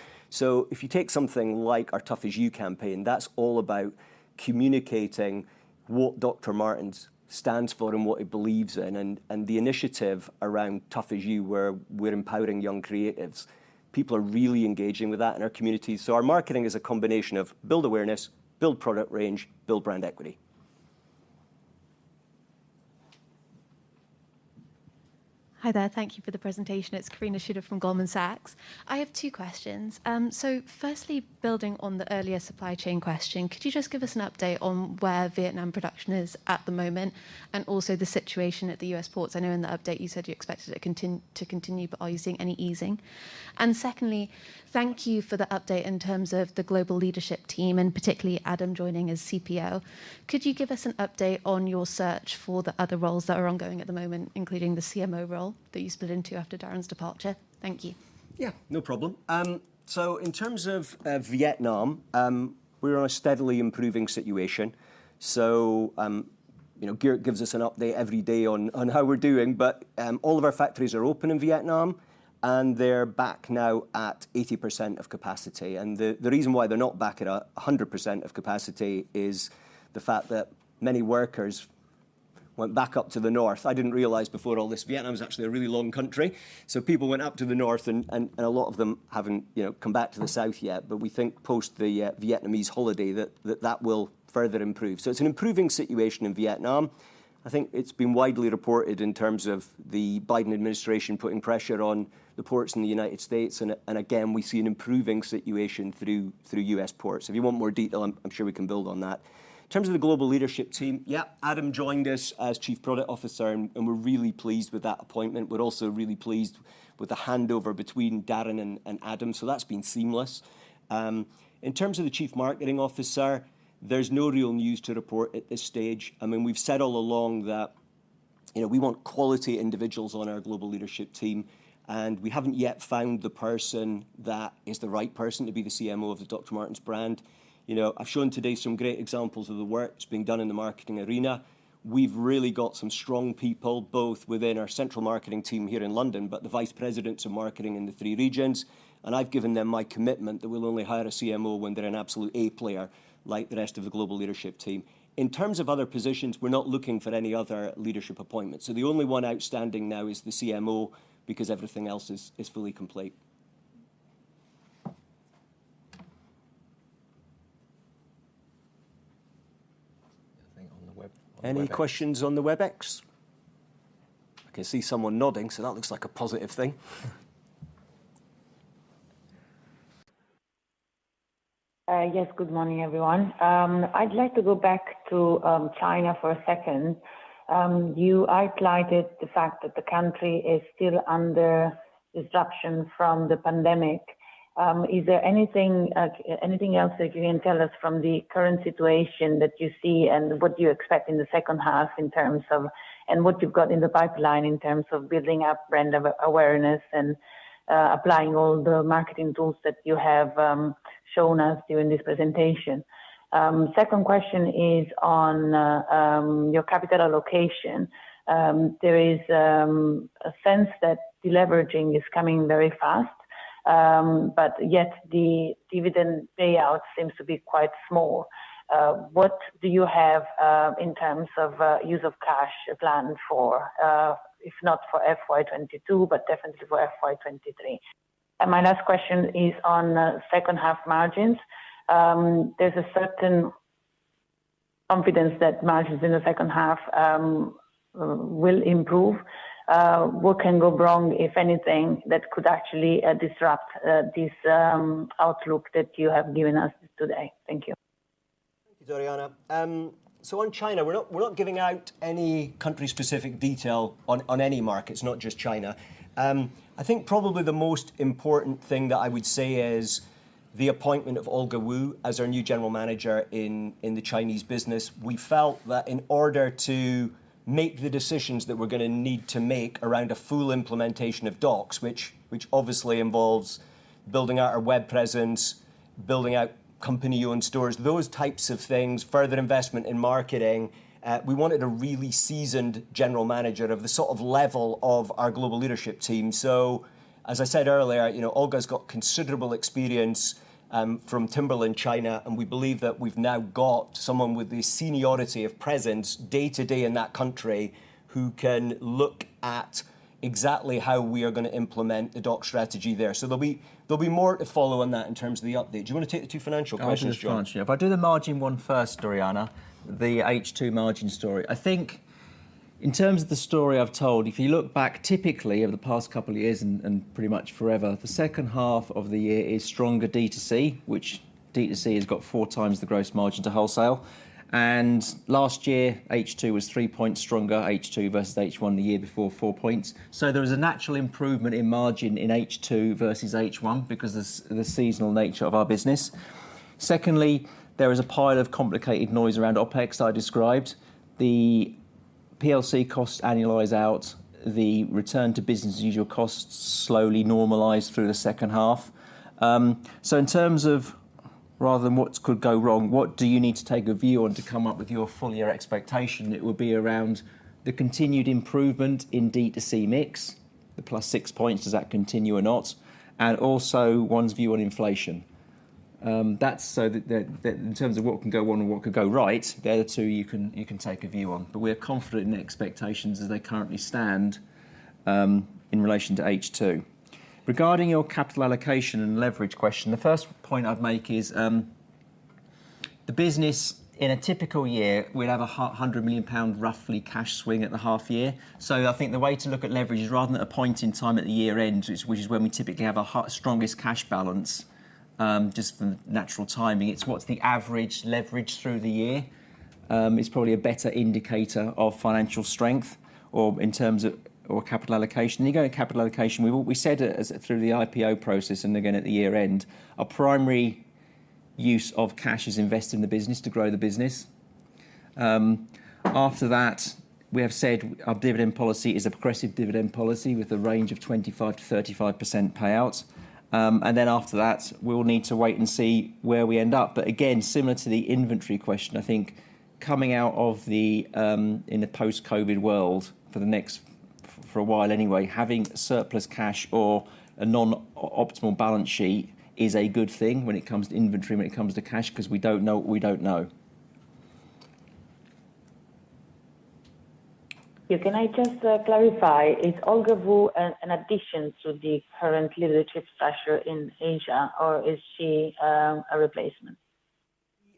Speaker 1: If you take something like our Tough As You campaign, that's all about communicating what Dr. Martens stands for and what it believes in and the initiative around Tough As You, where we're empowering young creatives. People are really engaging with that in our community. Our marketing is a combination of build awareness, build product range, build brand equity.
Speaker 6: Hi there. Thank you for the presentation. It's Karina Shooter from Goldman Sachs. I have two questions. So firstly, building on the earlier supply chain question, could you just give us an update on where Vietnam production is at the moment, and also the situation at the US ports? I know in the update you said you expected it to continue, but are you seeing any easing? Secondly, thank you for the update in terms of the global leadership team, and particularly Adam Meek joining as CPO. Could you give us an update on your search for the other roles that are ongoing at the moment, including the CMO role that you split into after Darren's departure? Thank you.
Speaker 1: Yeah, no problem. In terms of Vietnam, we're on a steadily improving situation. You know, Geert gives us an update every day on how we're doing, but all of our factories are open in Vietnam and they're back now at 80% of capacity. The reason why they're not back at 100% of capacity is the fact that many workers went back up to the north. I didn't realize before all this, Vietnam is actually a really long country, so people went up to the north and a lot of them haven't, you know, come back to the south yet. We think post the Vietnamese holiday that will further improve. It's an improving situation in Vietnam. I think it's been widely reported in terms of the Biden administration putting pressure on the ports in the United States and again, we see an improving situation through US ports. If you want more detail, I'm sure we can build on that. In terms of the global leadership team, yeah, Adam Meek joined us as Chief Product Officer and we're really pleased with that appointment. We're also really pleased with the handover between Darren Campbell and Adam Meek. That's been seamless. In terms of the Chief Marketing Officer, there's no real news to report at this stage. I mean, we've said all along that, you know, we want quality individuals on our global leadership team, and we haven't yet found the person that is the right person to be the CMO of the Dr. Martens brand. You know, I've shown today some great examples of the work that's being done in the marketing arena. We've really got some strong people, both within our central marketing team here in London, but the vice presidents of marketing in the three regions, and I've given them my commitment that we'll only hire a CMO when they're an absolute A player like the rest of the global leadership team. In terms of other positions, we're not looking for any other leadership appointments. The only one outstanding now is the CMO because everything else is fully complete.
Speaker 2: Anything on the Web, on the Webex?
Speaker 1: Any questions on the Webex? I can see someone nodding, so that looks like a positive thing.
Speaker 7: Yes. Good morning, everyone. I'd like to go back to China for a second. You highlighted the fact that the country is still under disruption from the pandemic. Is there anything else that you can tell us from the current situation that you see and what you expect in the H2 in terms of, and what you've got in the pipeline in terms of building up brand awareness and applying all the marketing tools that you have shown us during this presentation? Second question is on your capital allocation. There is a sense that deleveraging is coming very fast. Yet the dividend payout seems to be quite small. What do you have in terms of use of cash plan for, if not for FY 2022, but definitely for FY 2023? My last question is on H2 margins. There's a certain confidence that margins in the H2 will improve. What can go wrong, if anything, that could actually disrupt this outlook that you have given us today? Thank you.
Speaker 1: Thank you, Doriana. So on China, we're not giving out any country-specific detail on any markets, not just China. I think probably the most important thing that I would say is the appointment of Olga Wu as our new general manager in the Chinese business. We felt that in order to make the decisions that we're gonna need to make around a full implementation of DOCS, which obviously involves building out our web presence, building out company-owned stores, those types of things, further investment in marketing. We wanted a really seasoned general manager of the sort of level of our global leadership team. As I said earlier, you know, Olga's got considerable experience from Timberland China, and we believe that we've now got someone with the seniority and presence day to day in that country who can look at exactly how we are gonna implement the DOCS strategy there. There'll be more to follow on that in terms of the update. Do you wanna take the two financial questions, Jon Mortimore?
Speaker 2: I'll do the financial. If I do the margin one first, Doriana, the H2 margin story. I think in terms of the story I've told, if you look back typically over the past couple of years and pretty much forever, the H2 of the year is stronger D2C, which D2C has got 4x the gross margin than wholesale. Last year, H2 was three points stronger, H2 versus H1, the year before, four points. There is a natural improvement in margin in H2 versus H1 because of the seasonal nature of our business. Secondly, there is a pile of complicated noise around OpEx I described. The PLC costs annualize out, the return to business usual costs slowly normalize through the H2. In terms of rather than what could go wrong, what do you need to take a view on to come up with your full year expectation? It would be around the continued improvement in D2C mix, the plus 6 points, does that continue or not? And also one's view on inflation. That's so that in terms of what can go on and what could go right, they're the two you can take a view on. We're confident in the expectations as they currently stand in relation to H2. Regarding your capital allocation and leverage question, the first point I'd make is the business in a typical year, we'd have a 100 million pound roughly cash swing at the half year. I think the way to look at leverage is rather than a point in time at the year end, which is when we typically have our strongest cash balance, just from natural timing. It's what's the average leverage through the year is probably a better indicator of financial strength or in terms of capital allocation. You go to capital allocation, we've said as through the IPO process and again at the year end, our primary use of cash is invest in the business to grow the business. After that, we have said our dividend policy is a progressive dividend policy with a range of 25%-35% payouts. After that, we'll need to wait and see where we end up. Again, similar to the inventory question, I think coming out of the in the post-COVID world for a while anyway, having surplus cash or a non-optimal balance sheet is a good thing when it comes to inventory, when it comes to cash, because we don't know what we don't know.
Speaker 7: Yeah. Can I just clarify? Is Olga Wu an addition to the current leadership structure in Asia, or is she a replacement?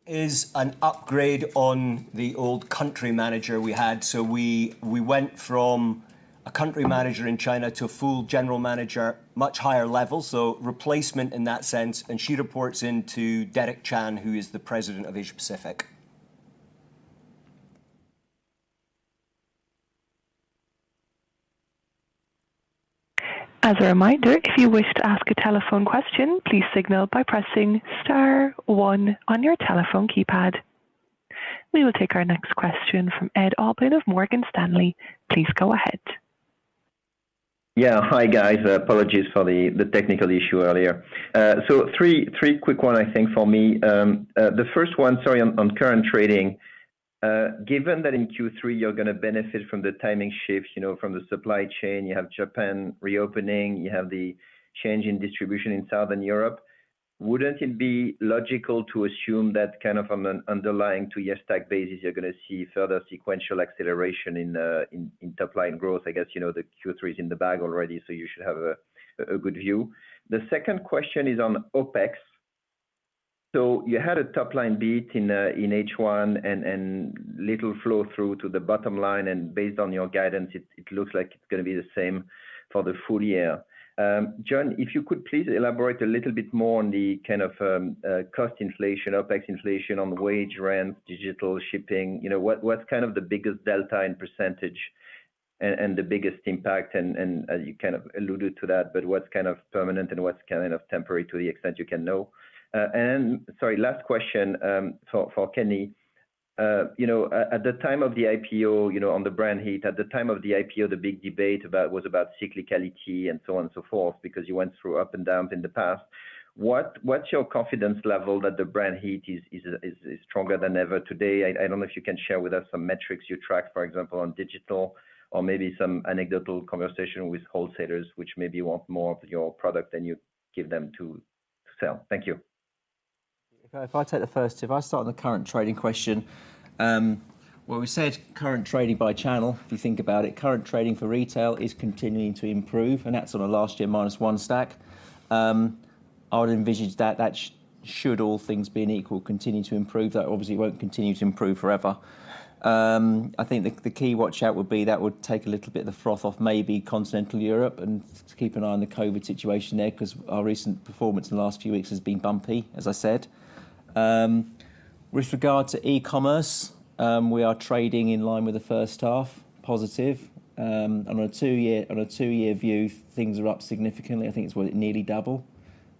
Speaker 1: is an upgrade on the old country manager we had. We went from a country manager in China to a full general manager, much higher level. Replacement in that sense, and she reports into Derek Chan, who is the president of Asia Pacific.
Speaker 8: As a reminder, if you wish to ask a telephone question, please signal by pressing star one on your telephone keypad. We will take our next question from Edouard Aubin of Morgan Stanley. Please go ahead.
Speaker 9: Yeah. Hi, guys. Apologies for the technical issue earlier. So three quick ones I think for me. The first one, sorry, on current trading. Given that in Q3, you're gonna benefit from the timing shifts, you know, from the supply chain, you have Japan reopening, you have the change in distribution in Southern Europe, wouldn't it be logical to assume that kind of on an underlying two-year stack basis, you're gonna see further sequential acceleration in top line growth? I guess, you know, the Q3 is in the bag already, so you should have a good view. The second question is on OpEx. You had a top line beat in H1 and little flow through to the bottom line, and based on your guidance, it looks like it's gonna be the same for the full year. Jon Mortimore, if you could please elaborate a little bit more on the kind of cost inflation, OpEx inflation on wage, rent, digital, shipping. You know, what's kind of the biggest delta in percentage and the biggest impact and as you kind of alluded to that, but what's kind of permanent and what's kind of temporary to the extent you can know? Sorry, last question for Kenny Wilson. You know, at the time of the IPO, you know, on the brand heat, at the time of the IPO, the big debate was about cyclicality and so on and so forth because you went through ups and downs in the past. What's your confidence level that the brand heat is stronger than ever today? I don't know if you can share with us some metrics you track, for example, on digital or maybe some anecdotal conversation with wholesalers, which maybe want more of your product than you give them to sell. Thank you.
Speaker 2: If I start with the current trading question, what we said current trading by channel, if you think about it, current trading for retail is continuing to improve, and that's on a last year minus one stack. I would envision that should all things being equal, continue to improve. That obviously won't continue to improve forever. I think the key watch-out would be that would take a little bit of the froth off maybe continental Europe and to keep an eye on the COVID situation there 'cause our recent performance in the last few weeks has been bumpy, as I said. With regard to e-commerce, we are trading in line with the H1, positive. On a two-year view, things are up significantly. I think it's what, nearly double.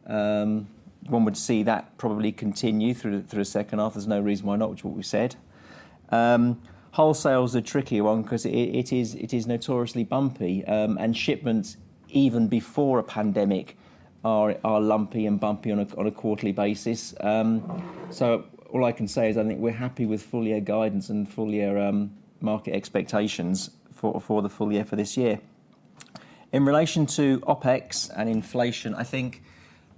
Speaker 2: One would see that probably continue through a H2. There's no reason why not, which is what we said. Wholesale is a tricky one 'cause it is notoriously bumpy. Shipments, even before a pandemic are lumpy and bumpy on a quarterly basis. All I can say is, I think we're happy with full year guidance and full year market expectations for the full year for this year. In relation to OpEx and inflation, I think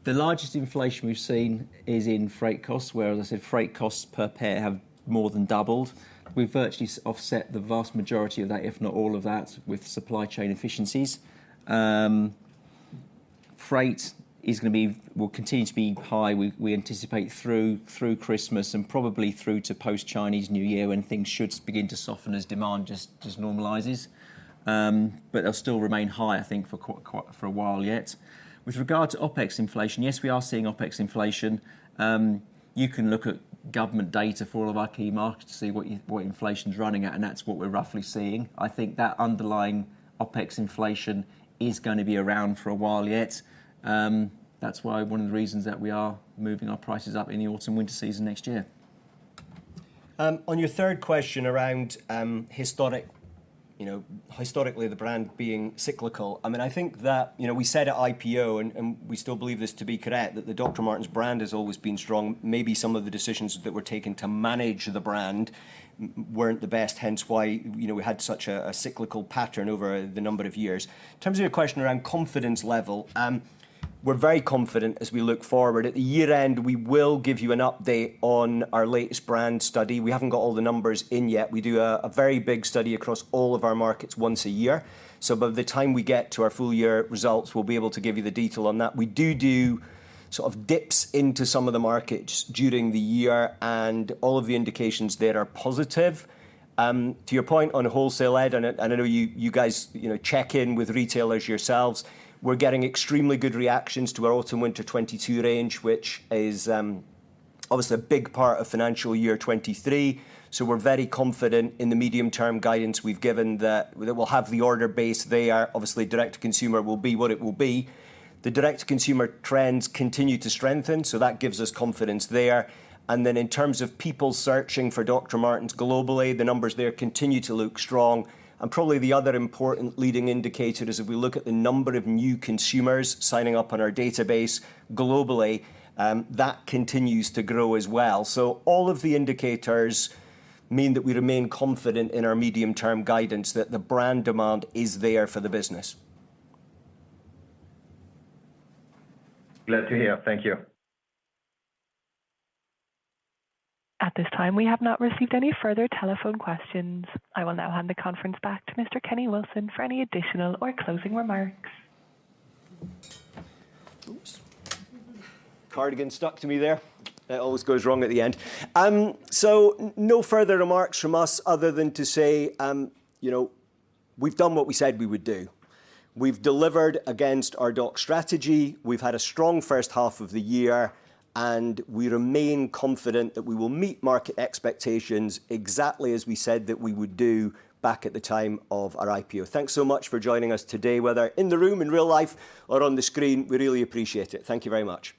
Speaker 2: the largest inflation we've seen is in freight costs, where, as I said, freight costs per pair have more than doubled. We've virtually offset the vast majority of that, if not all of that with supply chain efficiencies. Freight will continue to be high. We anticipate through Christmas and probably through to post Chinese New Year when things should begin to soften as demand just normalizes. They'll still remain high, I think, for a while yet. With regard to OpEx inflation, yes, we are seeing OpEx inflation. You can look at government data for all of our key markets to see what inflation's running at, and that's what we're roughly seeing. I think that underlying OpEx inflation is gonna be around for a while yet. That's why one of the reasons that we are moving our prices up in the autumn and winter season next year. On your third question around historically the brand being cyclical, I mean, I think that, you know, we said at IPO and we still believe this to be correct, that the Dr. Martens brand has always been strong. Maybe some of the decisions that were taken to manage the brand weren't the best, hence why, you know, we had such a cyclical pattern over the number of years. In terms of your question around confidence level, we're very confident as we look forward. At the year end, we will give you an update on our latest brand study. We haven't got all the numbers in yet. We do a very big study across all of our markets once a year. By the time we get to our full year results, we'll be able to give you the detail on that. We do sort of dips into some of the markets during the year and all of the indications there are positive. To your point on wholesale, Ed, and I know you guys, you know, check in with retailers yourselves, we're getting extremely good reactions to our autumn winter 2022 range, which is obviously a big part of financial year 2023. We're very confident in the medium term guidance we've given that we'll have the order base there. Obviously, direct to consumer will be what it will be. The direct to consumer trends continue to strengthen, so that gives us confidence there. Then in terms of people searching for Dr. Martens globally, the numbers there continue to look strong. Probably the other important leading indicator is if we look at the number of new consumers signing up on our database globally, that continues to grow as well. All of the indicators mean that we remain confident in our medium term guidance that the brand demand is there for the business.
Speaker 9: Glad to hear. Thank you.
Speaker 8: At this time, we have not received any further telephone questions. I will now hand the conference back to Mr. Kenny Wilson for any additional or closing remarks.
Speaker 1: Oops. Cardigan stuck to me there. It always goes wrong at the end. No further remarks from us other than to say, you know, we've done what we said we would do. We've delivered against our DOCS strategy. We've had a strong H1 of the year, and we remain confident that we will meet market expectations exactly as we said that we would do back at the time of our IPO. Thanks so much for joining us today, whether in the room in real life or on the screen, we really appreciate it. Thank you very much.